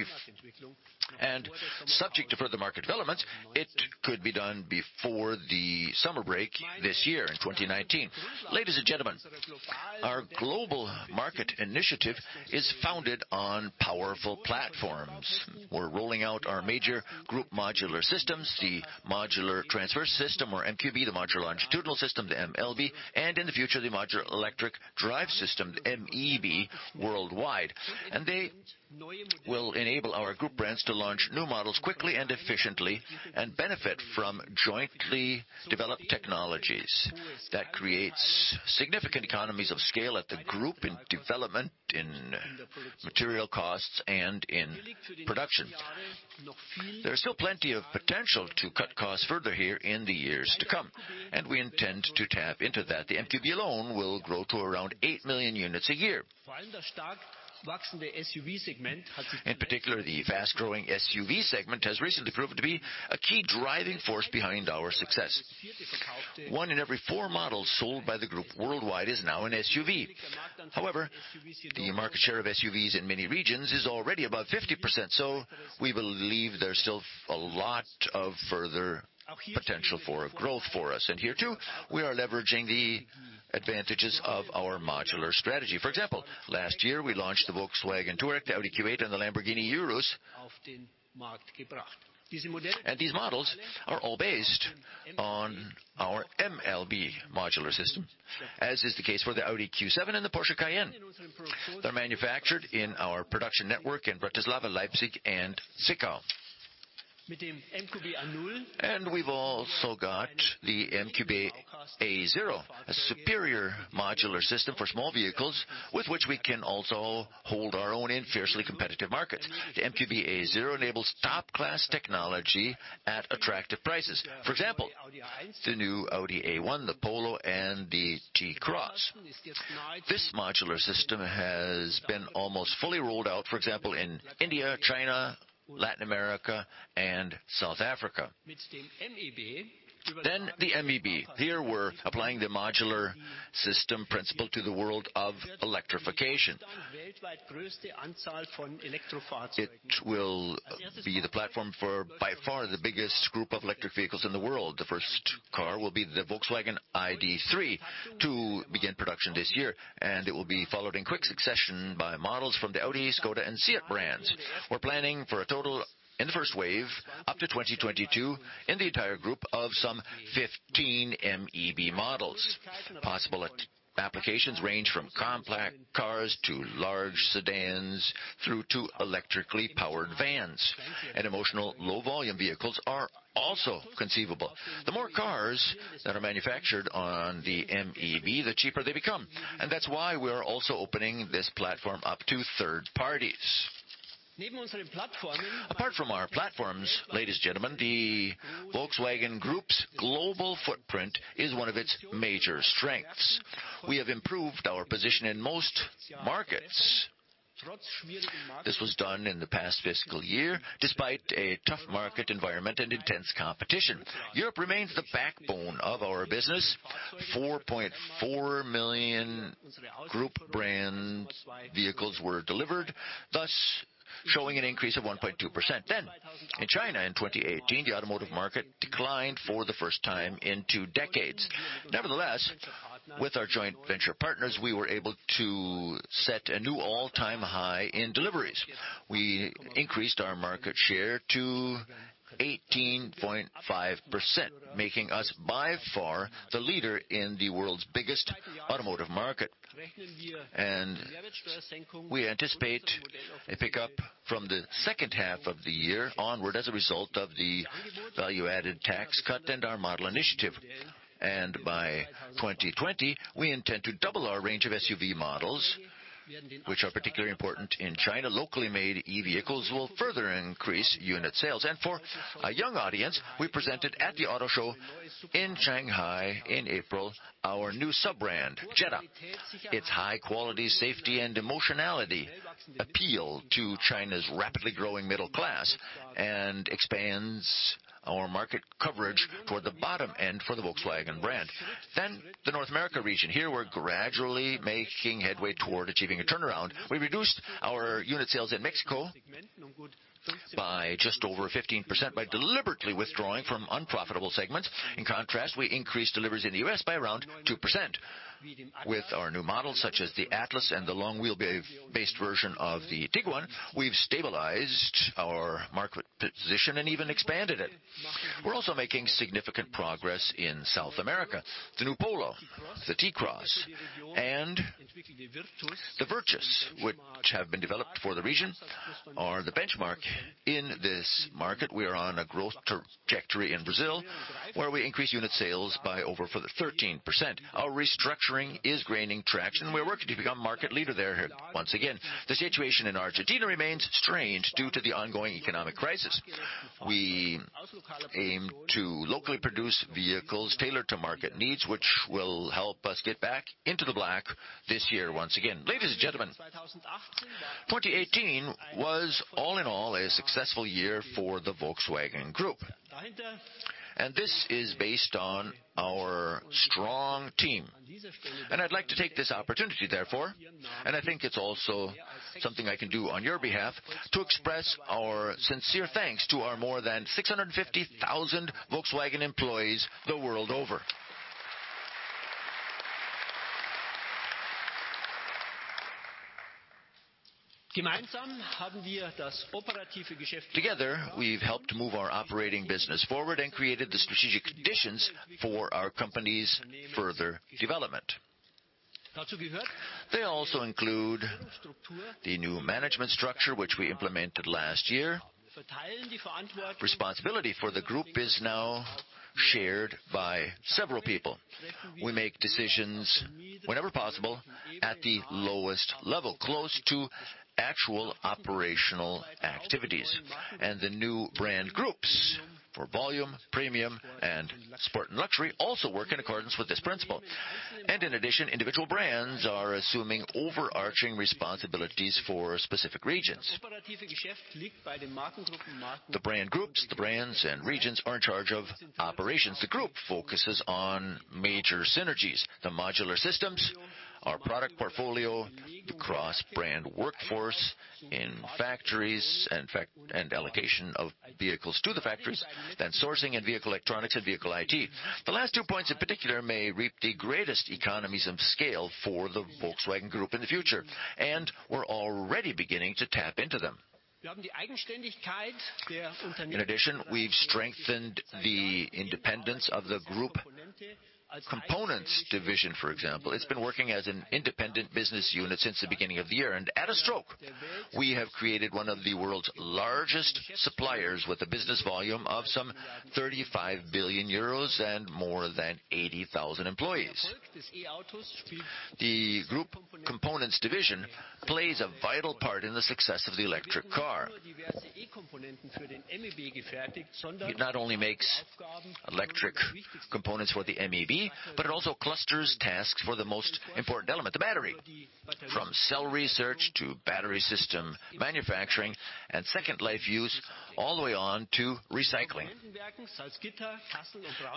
and subject to further market developments, it could be done before the summer break this year in 2019. Ladies and gentlemen, our global market initiative is founded on powerful platforms. We're rolling out our major group modular systems, the modular transverse system or MQB, the modular longitudinal system, the MLB, and in the future, the modular electric drive system, the MEB, worldwide. They will enable our group brands to launch new models quickly and efficiently and benefit from jointly developed technologies that creates significant economies of scale at the group in development, in material costs, and in production. There is still plenty of potential to cut costs further here in the years to come, and we intend to tap into that. The MQB alone will grow to around 8 million units a year. In particular, the fast-growing SUV segment has recently proven to be a key driving force behind our success. One in every four models sold by the group worldwide is now an SUV. However, the market share of SUVs in many regions is already above 50%, so we believe there's still a lot of further potential for growth for us. Here, too, we are leveraging the advantages of our modular strategy. For example, last year, we launched the Volkswagen Touareg, the Audi Q8, and the Lamborghini Urus. These models are all based on our MLB modular system, as is the case for the Audi Q7 and the Porsche Cayenne. They're manufactured in our production network in Bratislava, Leipzig, and Zwickau. We've also got the MQB A0, a superior modular system for small vehicles, with which we can also hold our own in fiercely competitive markets. The MQB A0 enables top-class technology at attractive prices. For example, the new Audi A1, the Polo, and the T-Cross. This modular system has been almost fully rolled out, for example, in India, China, Latin America, and South Africa. The MEB. Here we're applying the modular system principle to the world of electrification. It will be the platform for, by far, the biggest group of electric vehicles in the world. The first car will be the Volkswagen ID.3 to begin production this year, and it will be followed in quick succession by models from the Audi, Škoda, and SEAT brands. We're planning for a total in the first wave, up to 2022, in the entire group of some 15 MEB models. Possible applications range from compact cars to large sedans, through to electrically powered vans. Emotional low-volume vehicles are also conceivable. The more cars that are manufactured on the MEB, the cheaper they become, and that's why we're also opening this platform up to third parties. Apart from our platforms, ladies and gentlemen, the Volkswagen Group's global footprint is one of its major strengths. We have improved our position in most markets. This was done in the past fiscal year despite a tough market environment and intense competition. Europe remains the backbone of our business. 4.4 million Group brand vehicles were delivered, thus showing an increase of 1.2%. In China in 2018, the automotive market declined for the first time in two decades. Nevertheless, with our joint venture partners, we were able to set a new all-time high in deliveries. We increased our market share to 18.5%, making us by far the leader in the world's biggest automotive market. We anticipate a pickup from the second half of the year onward as a result of the value-added tax cut and our model initiative. By 2020, we intend to double our range of SUV models, which are particularly important in China. Locally made e-vehicles will further increase unit sales. For a young audience, we presented at the Auto Show in Shanghai in April, our new sub-brand, Jetta. Its high-quality safety and emotionality appeal to China's rapidly growing middle class and expands our market coverage toward the bottom end for the Volkswagen brand. The North America region. Here, we're gradually making headway toward achieving a turnaround. We reduced our unit sales in Mexico by just over 15% by deliberately withdrawing from unprofitable segments. In contrast, we increased deliveries in the U.S. by around 2%. With our new models, such as the Atlas and the long-wheelbase version of the Tiguan, we've stabilized our market position and even expanded it. We're also making significant progress in South America. The new Polo, the T-Cross, and the Virtus, which have been developed for the region, are the benchmark in this market. We are on a growth trajectory in Brazil, where we increased unit sales by over 13%. Our restructuring is gaining traction. We're working to become market leader there once again. The situation in Argentina remains strained due to the ongoing economic crisis. We aim to locally produce vehicles tailored to market needs, which will help us get back into the black this year once again. Ladies and gentlemen, 2018 was all in all a successful year for the Volkswagen Group, and this is based on our strong team. I'd like to take this opportunity, therefore, and I think it's also something I can do on your behalf, to express our sincere thanks to our more than 650,000 Volkswagen employees the world over. Together, we've helped move our operating business forward and created the strategic conditions for our company's further development. They also include the new management structure, which we implemented last year. Responsibility for the group is now shared by several people. We make decisions whenever possible at the lowest level, close to actual operational activities. The new brand groups for volume, premium, and sport and luxury also work in accordance with this principle. In addition, individual brands are assuming overarching responsibilities for specific regions. The brand groups, the brands and regions are in charge of operations. The Group focuses on major synergies, the modular systems, our product portfolio, the cross-brand workforce in factories and allocation of vehicles to the factories, then sourcing and vehicle electronics and vehicle IT. The last two points in particular may reap the greatest economies of scale for the Volkswagen Group in the future, and we are already beginning to tap into them. In addition, we have strengthened the independence of the Group Components division, for example. It has been working as an independent business unit since the beginning of the year, and at a stroke, we have created one of the world's largest suppliers with a business volume of some 35 billion euros and more than 80,000 employees. The Group Components division plays a vital part in the success of the electric car. It not only makes electric components for the MEB, but it also clusters tasks for the most important element, the battery. From cell research to battery system manufacturing and second-life use all the way on to recycling.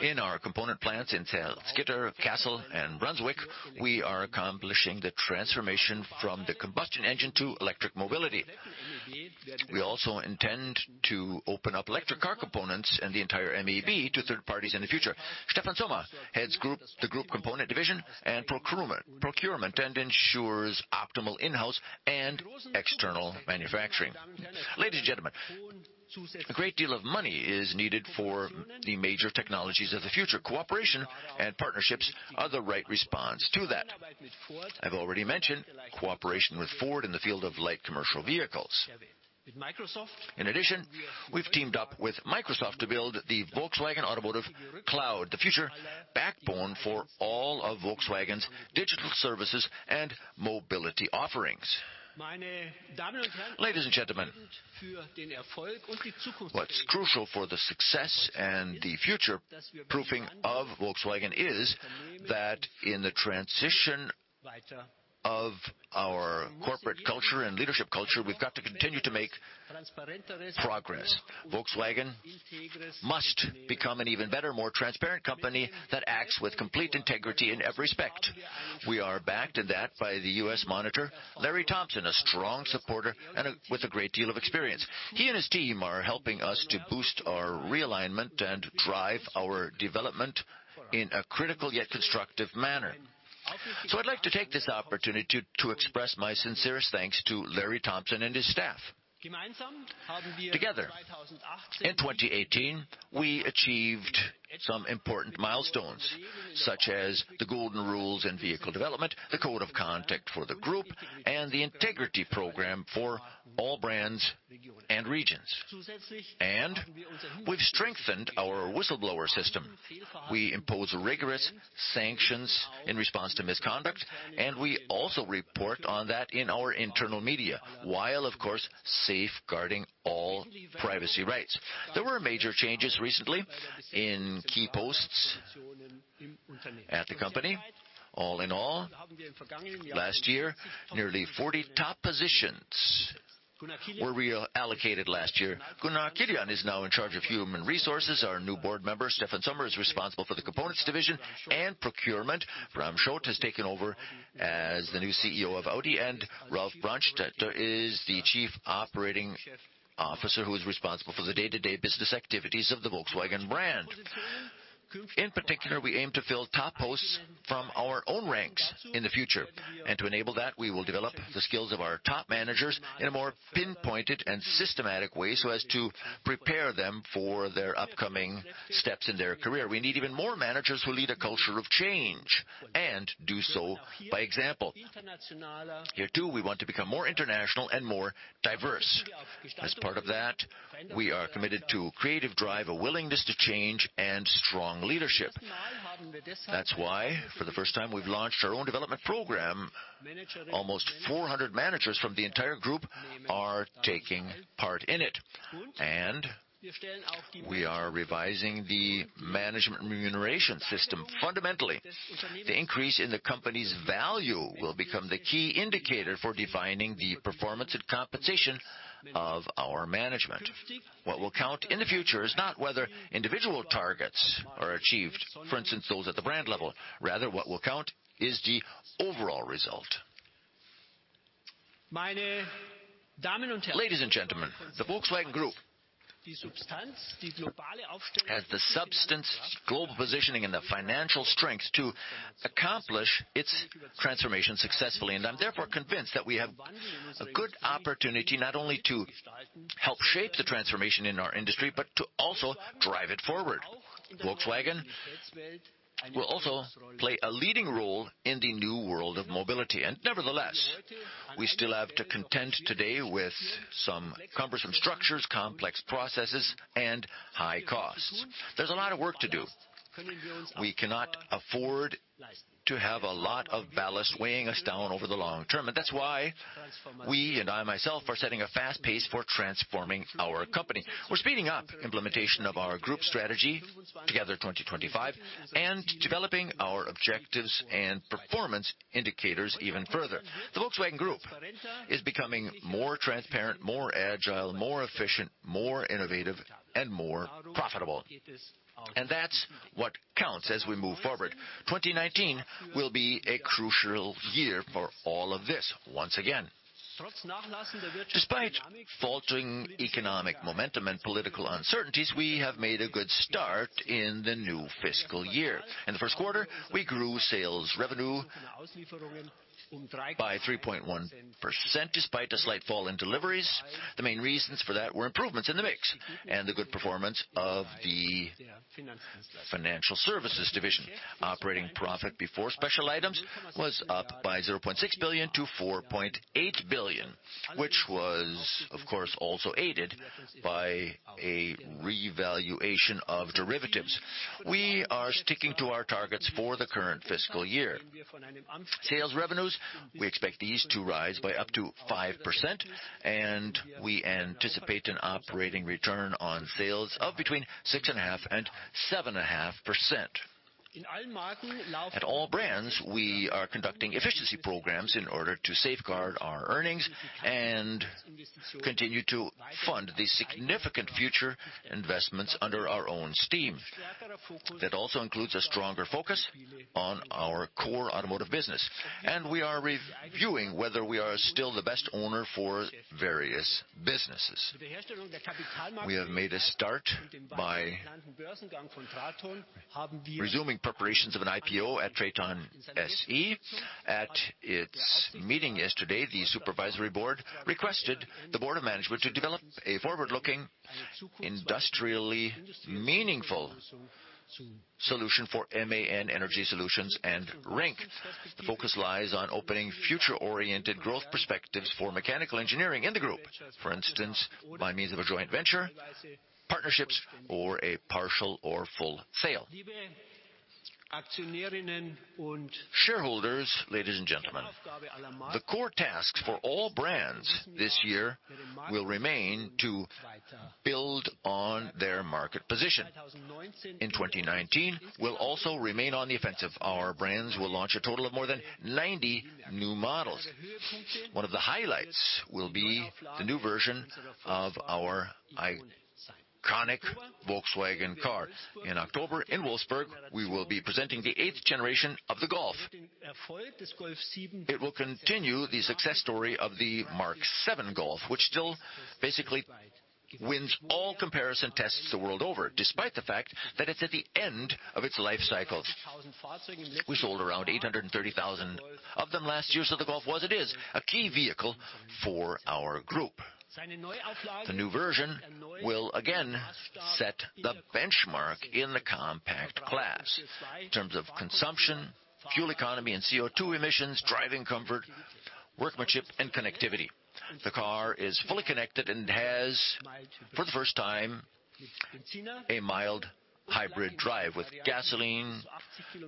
In our component plants in Salzgitter, Kassel, and Braunschweig, we are accomplishing the transformation from the combustion engine to electric mobility. We also intend to open up electric car components and the entire MEB to third parties in the future. Stefan Sommer heads the Group Components division and procurement, and ensures optimal in-house and external manufacturing. Ladies and gentlemen, a great deal of money is needed for the major technologies of the future. Cooperation and partnerships are the right response to that. I have already mentioned cooperation with Ford in the field of light commercial vehicles. In addition, we have teamed up with Microsoft to build the Volkswagen Automotive Cloud, the future backbone for all of Volkswagen's digital services and mobility offerings. Ladies and gentlemen, what is crucial for the success and the future-proofing of Volkswagen is that in the transition of our corporate culture and leadership culture, we have got to continue to make progress. Volkswagen must become an even better, more transparent company that acts with complete integrity in every respect. We are backed in that by the U.S. monitor, Larry Thompson, a strong supporter and with a great deal of experience. He and his team are helping us to boost our realignment and drive our development in a critical yet constructive manner. I would like to take this opportunity to express my sincerest thanks to Larry Thompson and his staff. Together, in 2018, we achieved some important milestones, such as the Golden Rules in vehicle development, the code of conduct for the Group, and the integrity program for all brands and regions. We have strengthened our whistleblower system. We impose rigorous sanctions in response to misconduct, and we also report on that in our internal media, while, of course, safeguarding all privacy rights. There were major changes recently in key posts at the company. All in all, last year, nearly 40 top positions were reallocated last year. Gunnar Kilian is now in charge of human resources. Our new board member, Stefan Sommer, is responsible for the Components division and procurement. Bram Schot has taken over as the new CEO of Audi, and Ralf Brandstätter is the Chief Operating Officer who is responsible for the day-to-day business activities of the Volkswagen brand. In particular, we aim to fill top posts from our own ranks in the future. To enable that, we will develop the skills of our top managers in a more pinpointed and systematic way so as to prepare them for their upcoming steps in their career. We need even more managers who lead a culture of change and do so by example. Here, too, we want to become more international and more diverse. As part of that, we are committed to creative drive, a willingness to change, and strong leadership. That's why, for the first time, we've launched our own development program. Almost 400 managers from the entire group are taking part in it. We are revising the management remuneration system fundamentally. The increase in the company's value will become the key indicator for defining the performance and compensation of our management. What will count in the future is not whether individual targets are achieved, for instance, those at the brand level. Rather, what will count is the overall result. Ladies and gentlemen, the Volkswagen Group has the substance, global positioning, and the financial strength to accomplish its transformation successfully. I'm therefore convinced that we have a good opportunity not only to help shape the transformation in our industry, but to also drive it forward. Volkswagen will also play a leading role in the new world of mobility. Nevertheless, we still have to contend today with some cumbersome structures, complex processes, and high costs. There's a lot of work to do. We cannot afford to have a lot of ballast weighing us down over the long term. That's why we, and I myself, are setting a fast pace for transforming our company. We're speeding up implementation of our group strategy TOGETHER 2025+ and developing our objectives and performance indicators even further. The Volkswagen Group is becoming more transparent, more agile, more efficient, more innovative, and more profitable. That's what counts as we move forward. 2019 will be a crucial year for all of this, once again. Despite faltering economic momentum and political uncertainties, we have made a good start in the new fiscal year. In the first quarter, we grew sales revenue by 3.1%, despite a slight fall in deliveries. The main reasons for that were improvements in the mix and the good performance of the financial services division. Operating profit before special items was up by 0.6 billion to 4.8 billion, which was, of course, also aided by a revaluation of derivatives. We are sticking to our targets for the current fiscal year. Sales revenues, we expect these to rise by up to 5%. We anticipate an operating return on sales of between 6.5%-7.5%. At all brands, we are conducting efficiency programs in order to safeguard our earnings and continue to fund the significant future investments under our own steam. That also includes a stronger focus on our core automotive business. We are reviewing whether we are still the best owner for various businesses. We have made a start by resuming preparations of an IPO at TRATON SE. At its meeting yesterday, the supervisory board requested the board of management to develop a forward-looking, industrially meaningful solution for MAN Energy Solutions and Renk. The focus lies on opening future-oriented growth perspectives for mechanical engineering in the group. For instance, by means of a joint venture, partnerships or a partial or full sale. Shareholders, ladies and gentlemen, the core tasks for all brands this year will remain to build on their market position. In 2019, we'll also remain on the offensive. Our brands will launch a total of more than 90 new models. One of the highlights will be the new version of our iconic Volkswagen car. In October in Wolfsburg, we will be presenting the eighth generation of the Golf. It will continue the success story of the Mk7 Golf, which still basically wins all comparison tests the world over, despite the fact that it's at the end of its life cycle. We sold around 830,000 of them last year, so the Golf was, it is, a key vehicle for our group. The new version will again set the benchmark in the compact class in terms of consumption, fuel economy and CO2 emissions, driving comfort, workmanship, and connectivity. The car is fully connected and has, for the first time, a mild hybrid drive with gasoline,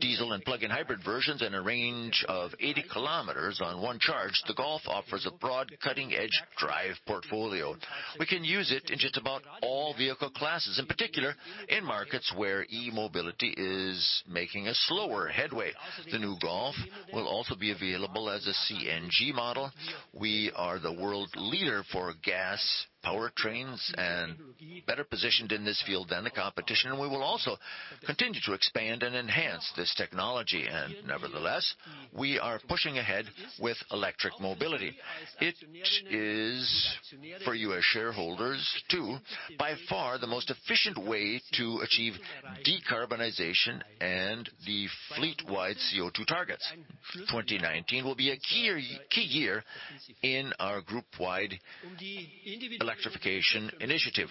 diesel and plug-in hybrid versions and a range of 80 km on one charge. The Golf offers a broad cutting-edge drive portfolio. We can use it in just about all vehicle classes, in particular in markets where e-mobility is making a slower headway. The new Golf will also be available as a CNG model. We are the world leader for gas powertrains and better positioned in this field than the competition. Nevertheless, we are pushing ahead with electric mobility. It is for you as shareholders too, by far the most efficient way to achieve decarbonization and the fleet-wide CO2 targets. 2019 will be a key year in our group-wide electrification initiative.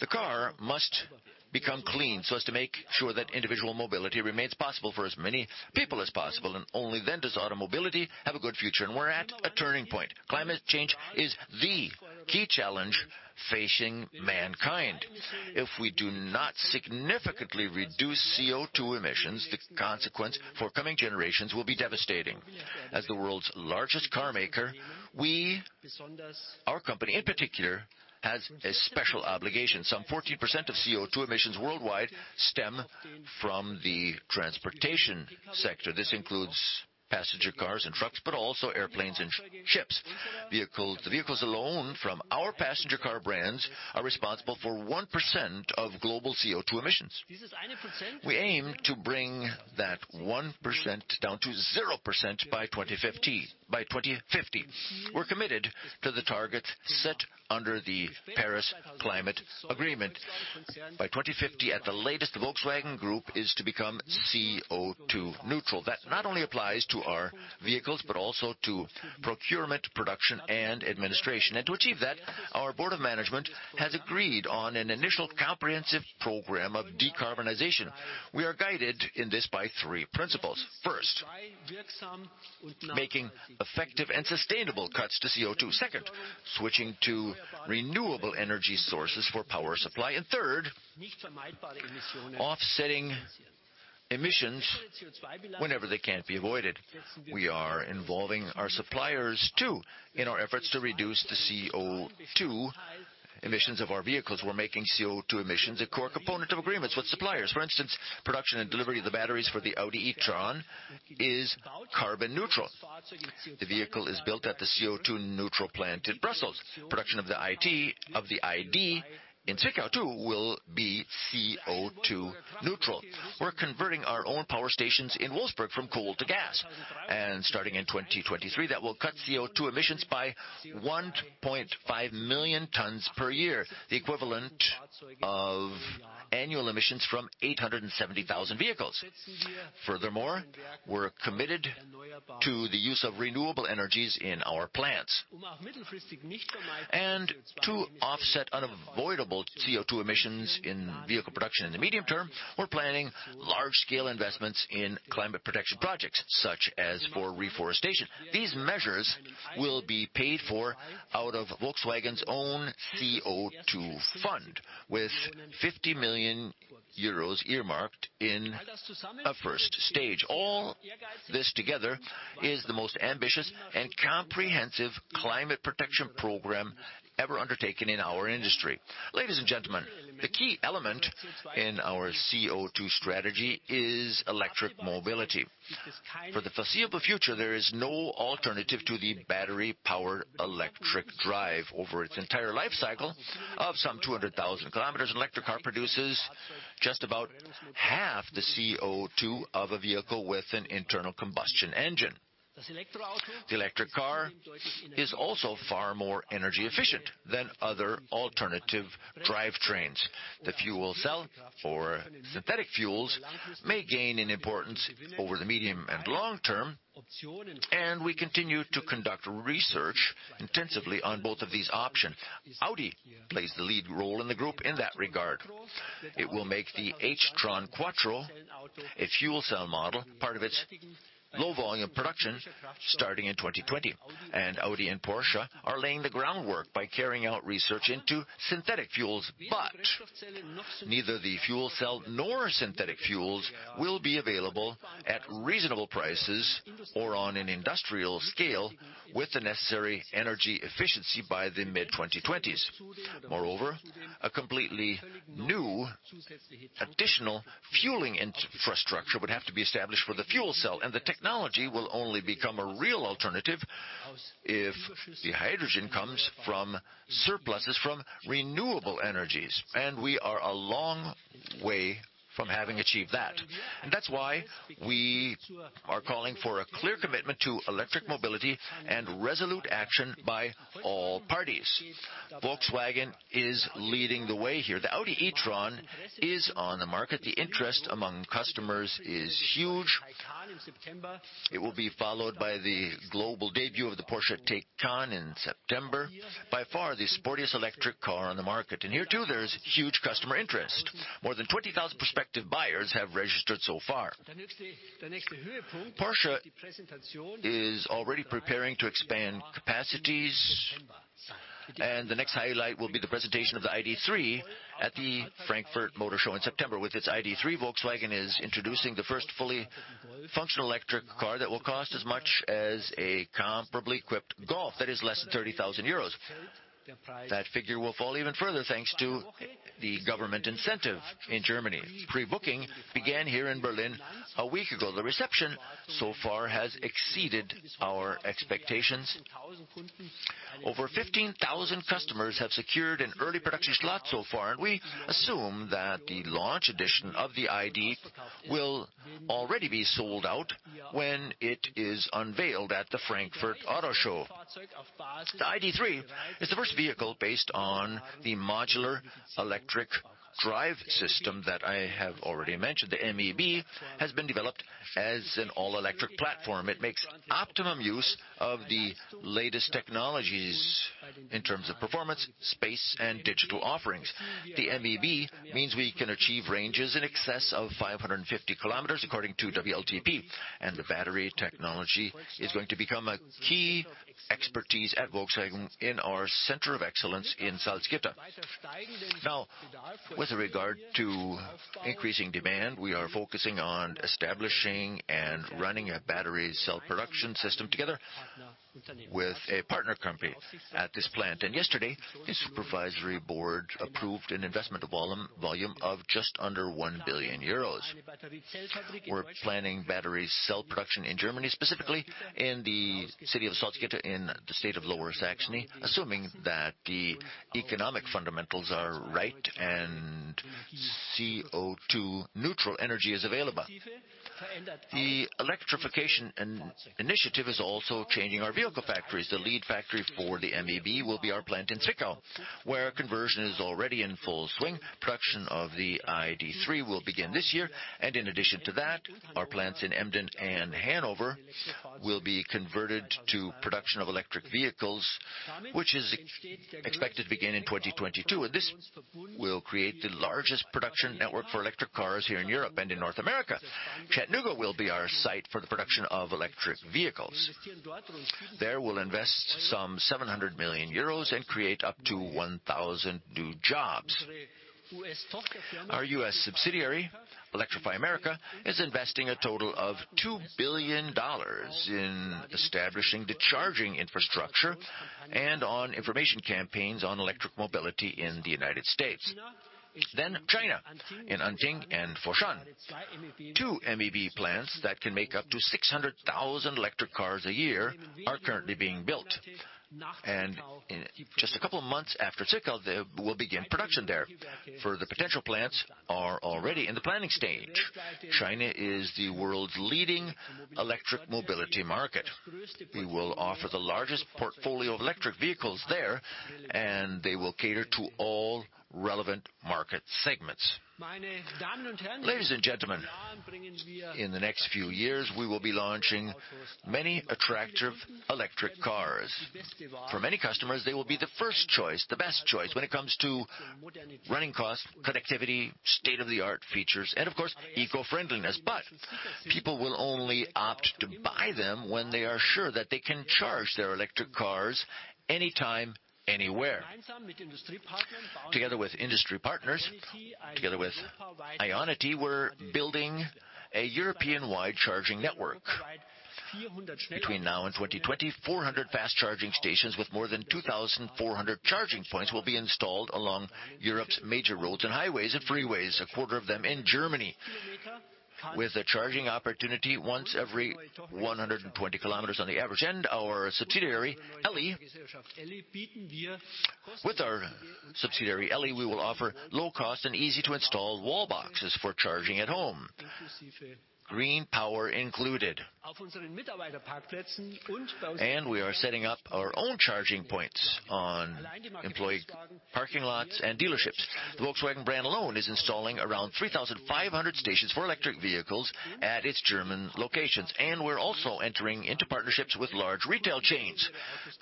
The car must become clean so as to make sure that individual mobility remains possible for as many people as possible, and only then does automobility have a good future. We're at a turning point. Climate change is the key challenge facing mankind. If we do not significantly reduce CO2 emissions, the consequence for coming generations will be devastating. As the world's largest car maker, our company, in particular, has a special obligation. Some 14% of CO2 emissions worldwide stem from the transportation sector. This includes passenger cars and trucks, but also airplanes and ships. The vehicles alone from our passenger car brands are responsible for 1% of global CO2 emissions. We aim to bring that 1% down to 0% by 2050. We're committed to the targets set under the Paris Agreement. By 2050 at the latest, the Volkswagen Group is to become CO2 neutral. That not only applies to our vehicles, but also to procurement, production, and administration. To achieve that, our board of management has agreed on an initial comprehensive program of decarbonization. We are guided in this by three principles. First, making effective and sustainable cuts to CO2. Second, switching to renewable energy sources for power supply. Third, offsetting emissions whenever they can't be avoided. We are involving our suppliers too, in our efforts to reduce the CO2 emissions of our vehicles. We're making CO2 emissions a core component of agreements with suppliers. For instance, production and delivery of the batteries for the Audi e-tron is carbon neutral. The vehicle is built at the CO2 neutral plant in Brussels. Production of the ID in Zwickau too will be CO2 neutral. We're converting our own power stations in Wolfsburg from coal to gas, starting in 2023, that will cut CO2 emissions by 1.5 million tons per year, the equivalent of annual emissions from 870,000 vehicles. Furthermore, we're committed to the use of renewable energies in our plants. To offset unavoidable CO2 emissions in vehicle production in the medium term, we're planning large-scale investments in climate protection projects, such as for reforestation. These measures will be paid for out of Volkswagen's own CO2 fund, with 50 million euros earmarked in a stage 1. All this together is the most ambitious and comprehensive climate protection program ever undertaken in our industry. Ladies and gentlemen, the key element in our CO2 strategy is electric mobility. For the foreseeable future, there is no alternative to the battery-powered electric drive. Over its entire life cycle of some 200,000 kilometers, an electric car produces just about half the CO2 of a vehicle with an internal combustion engine. The electric car is also far more energy efficient than other alternative drivetrains. The fuel cell or synthetic fuels may gain in importance over the medium and long term, we continue to conduct research intensively on both of these options. Audi plays the lead role in the group in that regard. It will make the h-tron quattro, a fuel cell model, part of its low-volume production starting in 2020. Audi and Porsche are laying the groundwork by carrying out research into synthetic fuels. Neither the fuel cell nor synthetic fuels will be available at reasonable prices or on an industrial scale with the necessary energy efficiency by the mid-2020s. Moreover, a completely new additional fueling infrastructure would have to be established for the fuel cell, the technology will only become a real alternative if the hydrogen comes from surpluses from renewable energies. We are a long way from having achieved that. That's why we are calling for a clear commitment to electric mobility and resolute action by all parties. Volkswagen is leading the way here. The Audi e-tron is on the market. The interest among customers is huge. It will be followed by the global debut of the Porsche Taycan in September, by far the sportiest electric car on the market. Here too, there's huge customer interest. More than 20,000 prospective buyers have registered so far. Porsche is already preparing to expand capacities, the next highlight will be the presentation of the ID.3 at the Frankfurt Motor Show in September. With its ID.3, Volkswagen is introducing the first fully functional electric car that will cost as much as a comparably equipped Golf, that is less than 30,000 euros. That figure will fall even further, thanks to the government incentive in Germany. Pre-booking began here in Berlin a week ago. The reception so far has exceeded our expectations. Over 15,000 customers have secured an early production slot so far, we assume that the launch edition of the ID. will already be sold out when it is unveiled at the Frankfurt Auto Show. The ID.3 is the first vehicle based on the modular electric drive system that I have already mentioned. The MEB has been developed as an all-electric platform. It makes optimum use of the latest technologies in terms of performance, space, and digital offerings. The MEB means we can achieve ranges in excess of 550 km according to WLTP. The battery technology is going to become a key expertise at Volkswagen in our center of excellence in Salzgitter. With regard to increasing demand, we are focusing on establishing and running a battery cell production system together with a partner company at this plant. Yesterday, the supervisory board approved an investment volume of just under 1 billion euros. We're planning battery cell production in Germany, specifically in the city of Salzgitter in the state of Lower Saxony, assuming that the economic fundamentals are right and CO2 neutral energy is available. The electrification initiative is also changing our vehicle factories. The lead factory for the MEB will be our plant in Zwickau, where conversion is already in full swing. Production of the ID.3 will begin this year. In addition to that, our plants in Emden and Hanover will be converted to production of electric vehicles, which is expected to begin in 2022. This will create the largest production network for electric cars here in Europe and in North America. Chattanooga will be our site for the production of electric vehicles. There we'll invest some 700 million euros and create up to 1,000 new jobs. Our U.S. subsidiary, Electrify America, is investing a total of $2 billion in establishing the charging infrastructure and on information campaigns on electric mobility in the U.S. China. In Anting and Foshan, two MEB plants that can make up to 600,000 electric cars a year are currently being built. In just a couple of months after Zwickau, we'll begin production there. Further potential plants are already in the planning stage. China is the world's leading electric mobility market. We will offer the largest portfolio of electric vehicles there. They will cater to all relevant market segments. Ladies and gentlemen, in the next few years, we will be launching many attractive electric cars. For many customers, they will be the first choice, the best choice when it comes to running costs, connectivity, state-of-the-art features, and of course, eco-friendliness. People will only opt to buy them when they are sure that they can charge their electric cars anytime, anywhere. Together with industry partners, together with IONITY, we're building a European-wide charging network. Between now and 2020, 400 fast-charging stations with more than 2,400 charging points will be installed along Europe's major roads and highways and freeways, a quarter of them in Germany, with a charging opportunity once every 120 km on the average. With our subsidiary, Elli, we will offer low-cost and easy-to-install wall boxes for charging at home, green power included. We are setting up our own charging points on employee parking lots and dealerships. The Volkswagen brand alone is installing around 3,500 stations for electric vehicles at its German locations, and we're also entering into partnerships with large retail chains.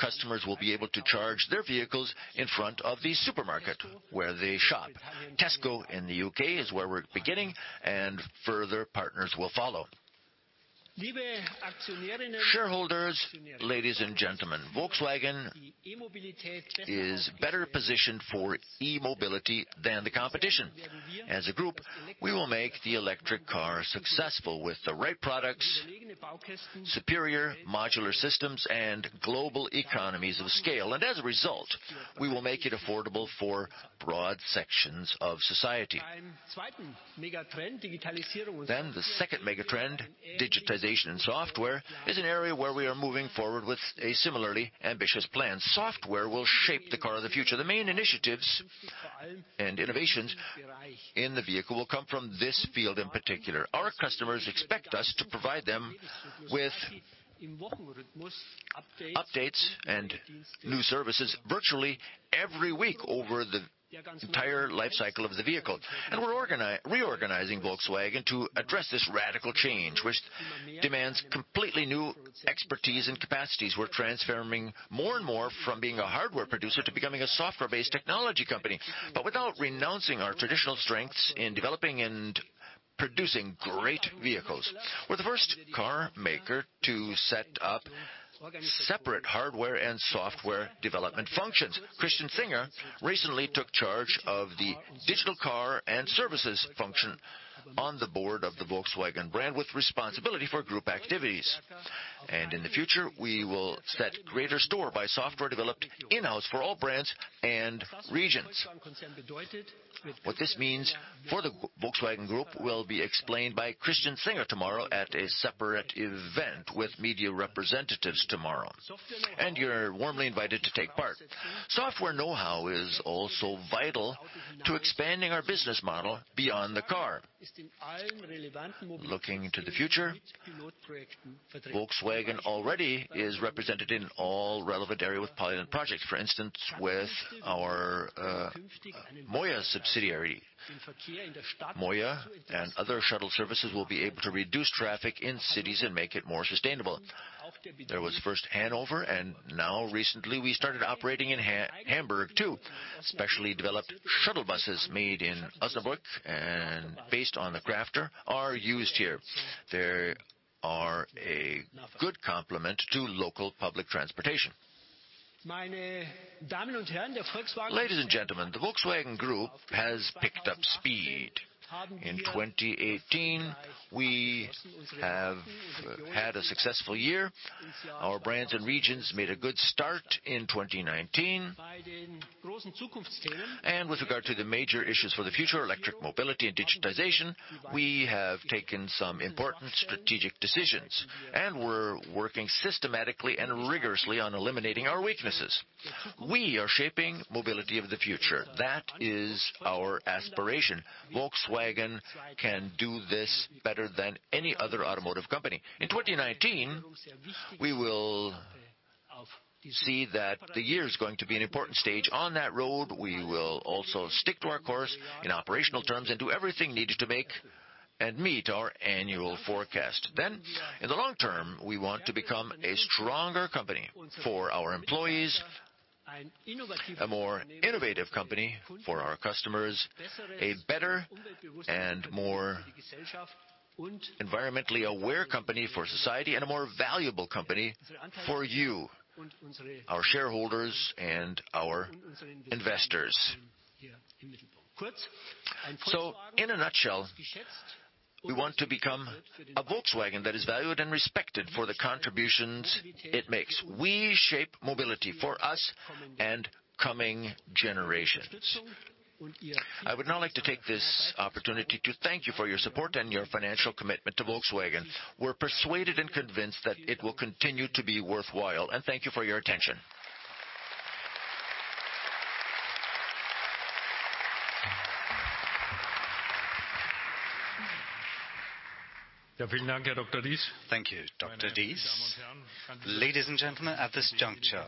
Customers will be able to charge their vehicles in front of the supermarket where they shop. Tesco in the U.K. is where we're beginning, and further partners will follow. Shareholders, ladies and gentlemen, Volkswagen is better positioned for e-mobility than the competition. As a group, we will make the electric car successful with the right products, superior modular systems, and global economies of scale. As a result, we will make it affordable for broad sections of society. The second mega trend, digitization and software, is an area where we are moving forward with a similarly ambitious plan. Software will shape the car of the future. The main initiatives and innovations in the vehicle will come from this field in particular. Our customers expect us to provide them with updates and new services virtually every week over the entire life cycle of the vehicle. We're reorganizing Volkswagen to address this radical change, which demands completely new expertise and capacities. We're transforming more and more from being a hardware producer to becoming a software-based technology company, but without renouncing our traditional strengths in developing and producing great vehicles. We're the first car maker to set up separate hardware and software development functions. Christian Senger recently took charge of the digital car and services function on the board of the Volkswagen brand with responsibility for Group activities. In the future, we will set greater store by software developed in-house for all brands and regions. What this means for the Volkswagen Group will be explained by Christian Senger tomorrow at a separate event with media representatives tomorrow. You're warmly invited to take part. Software know-how is also vital to expanding our business model beyond the car. Looking into the future, Volkswagen already is represented in all relevant areas with pilot projects. For instance, with our MOIA subsidiary. MOIA and other shuttle services will be able to reduce traffic in cities and make it more sustainable. There was first Hanover, and now recently we started operating in Hamburg, too. Specially developed shuttle buses made in Osnabrück and based on the Crafter are used here. They are a good complement to local public transportation. Ladies and gentlemen, the Volkswagen Group has picked up speed. In 2018, we have had a successful year. Our brands and regions made a good start in 2019. With regard to the major issues for the future, electric mobility and digitization, we have taken some important strategic decisions, and we're working systematically and rigorously on eliminating our weaknesses. We are shaping mobility of the future. That is our aspiration. Volkswagen can do this better than any other automotive company. In 2019, we will see that the year is going to be an important stage on that road. We will also stick to our course in operational terms and do everything needed to make and meet our annual forecast. In the long term, we want to become a stronger company for our employees, a more innovative company for our customers, a better and more environmentally aware company for society, and a more valuable company for you, our shareholders and our investors. In a nutshell, we want to become a Volkswagen that is valued and respected for the contributions it makes. We shape mobility for us and coming generations. I would now like to take this opportunity to thank you for your support and your financial commitment to Volkswagen. We're persuaded and convinced that it will continue to be worthwhile. Thank you for your attention. Thank you, Dr. Diess. Ladies and gentlemen, at this juncture,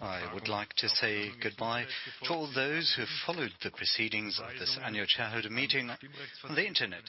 I would like to say goodbye to all those who followed the proceedings of this annual shareholder meeting on the internet.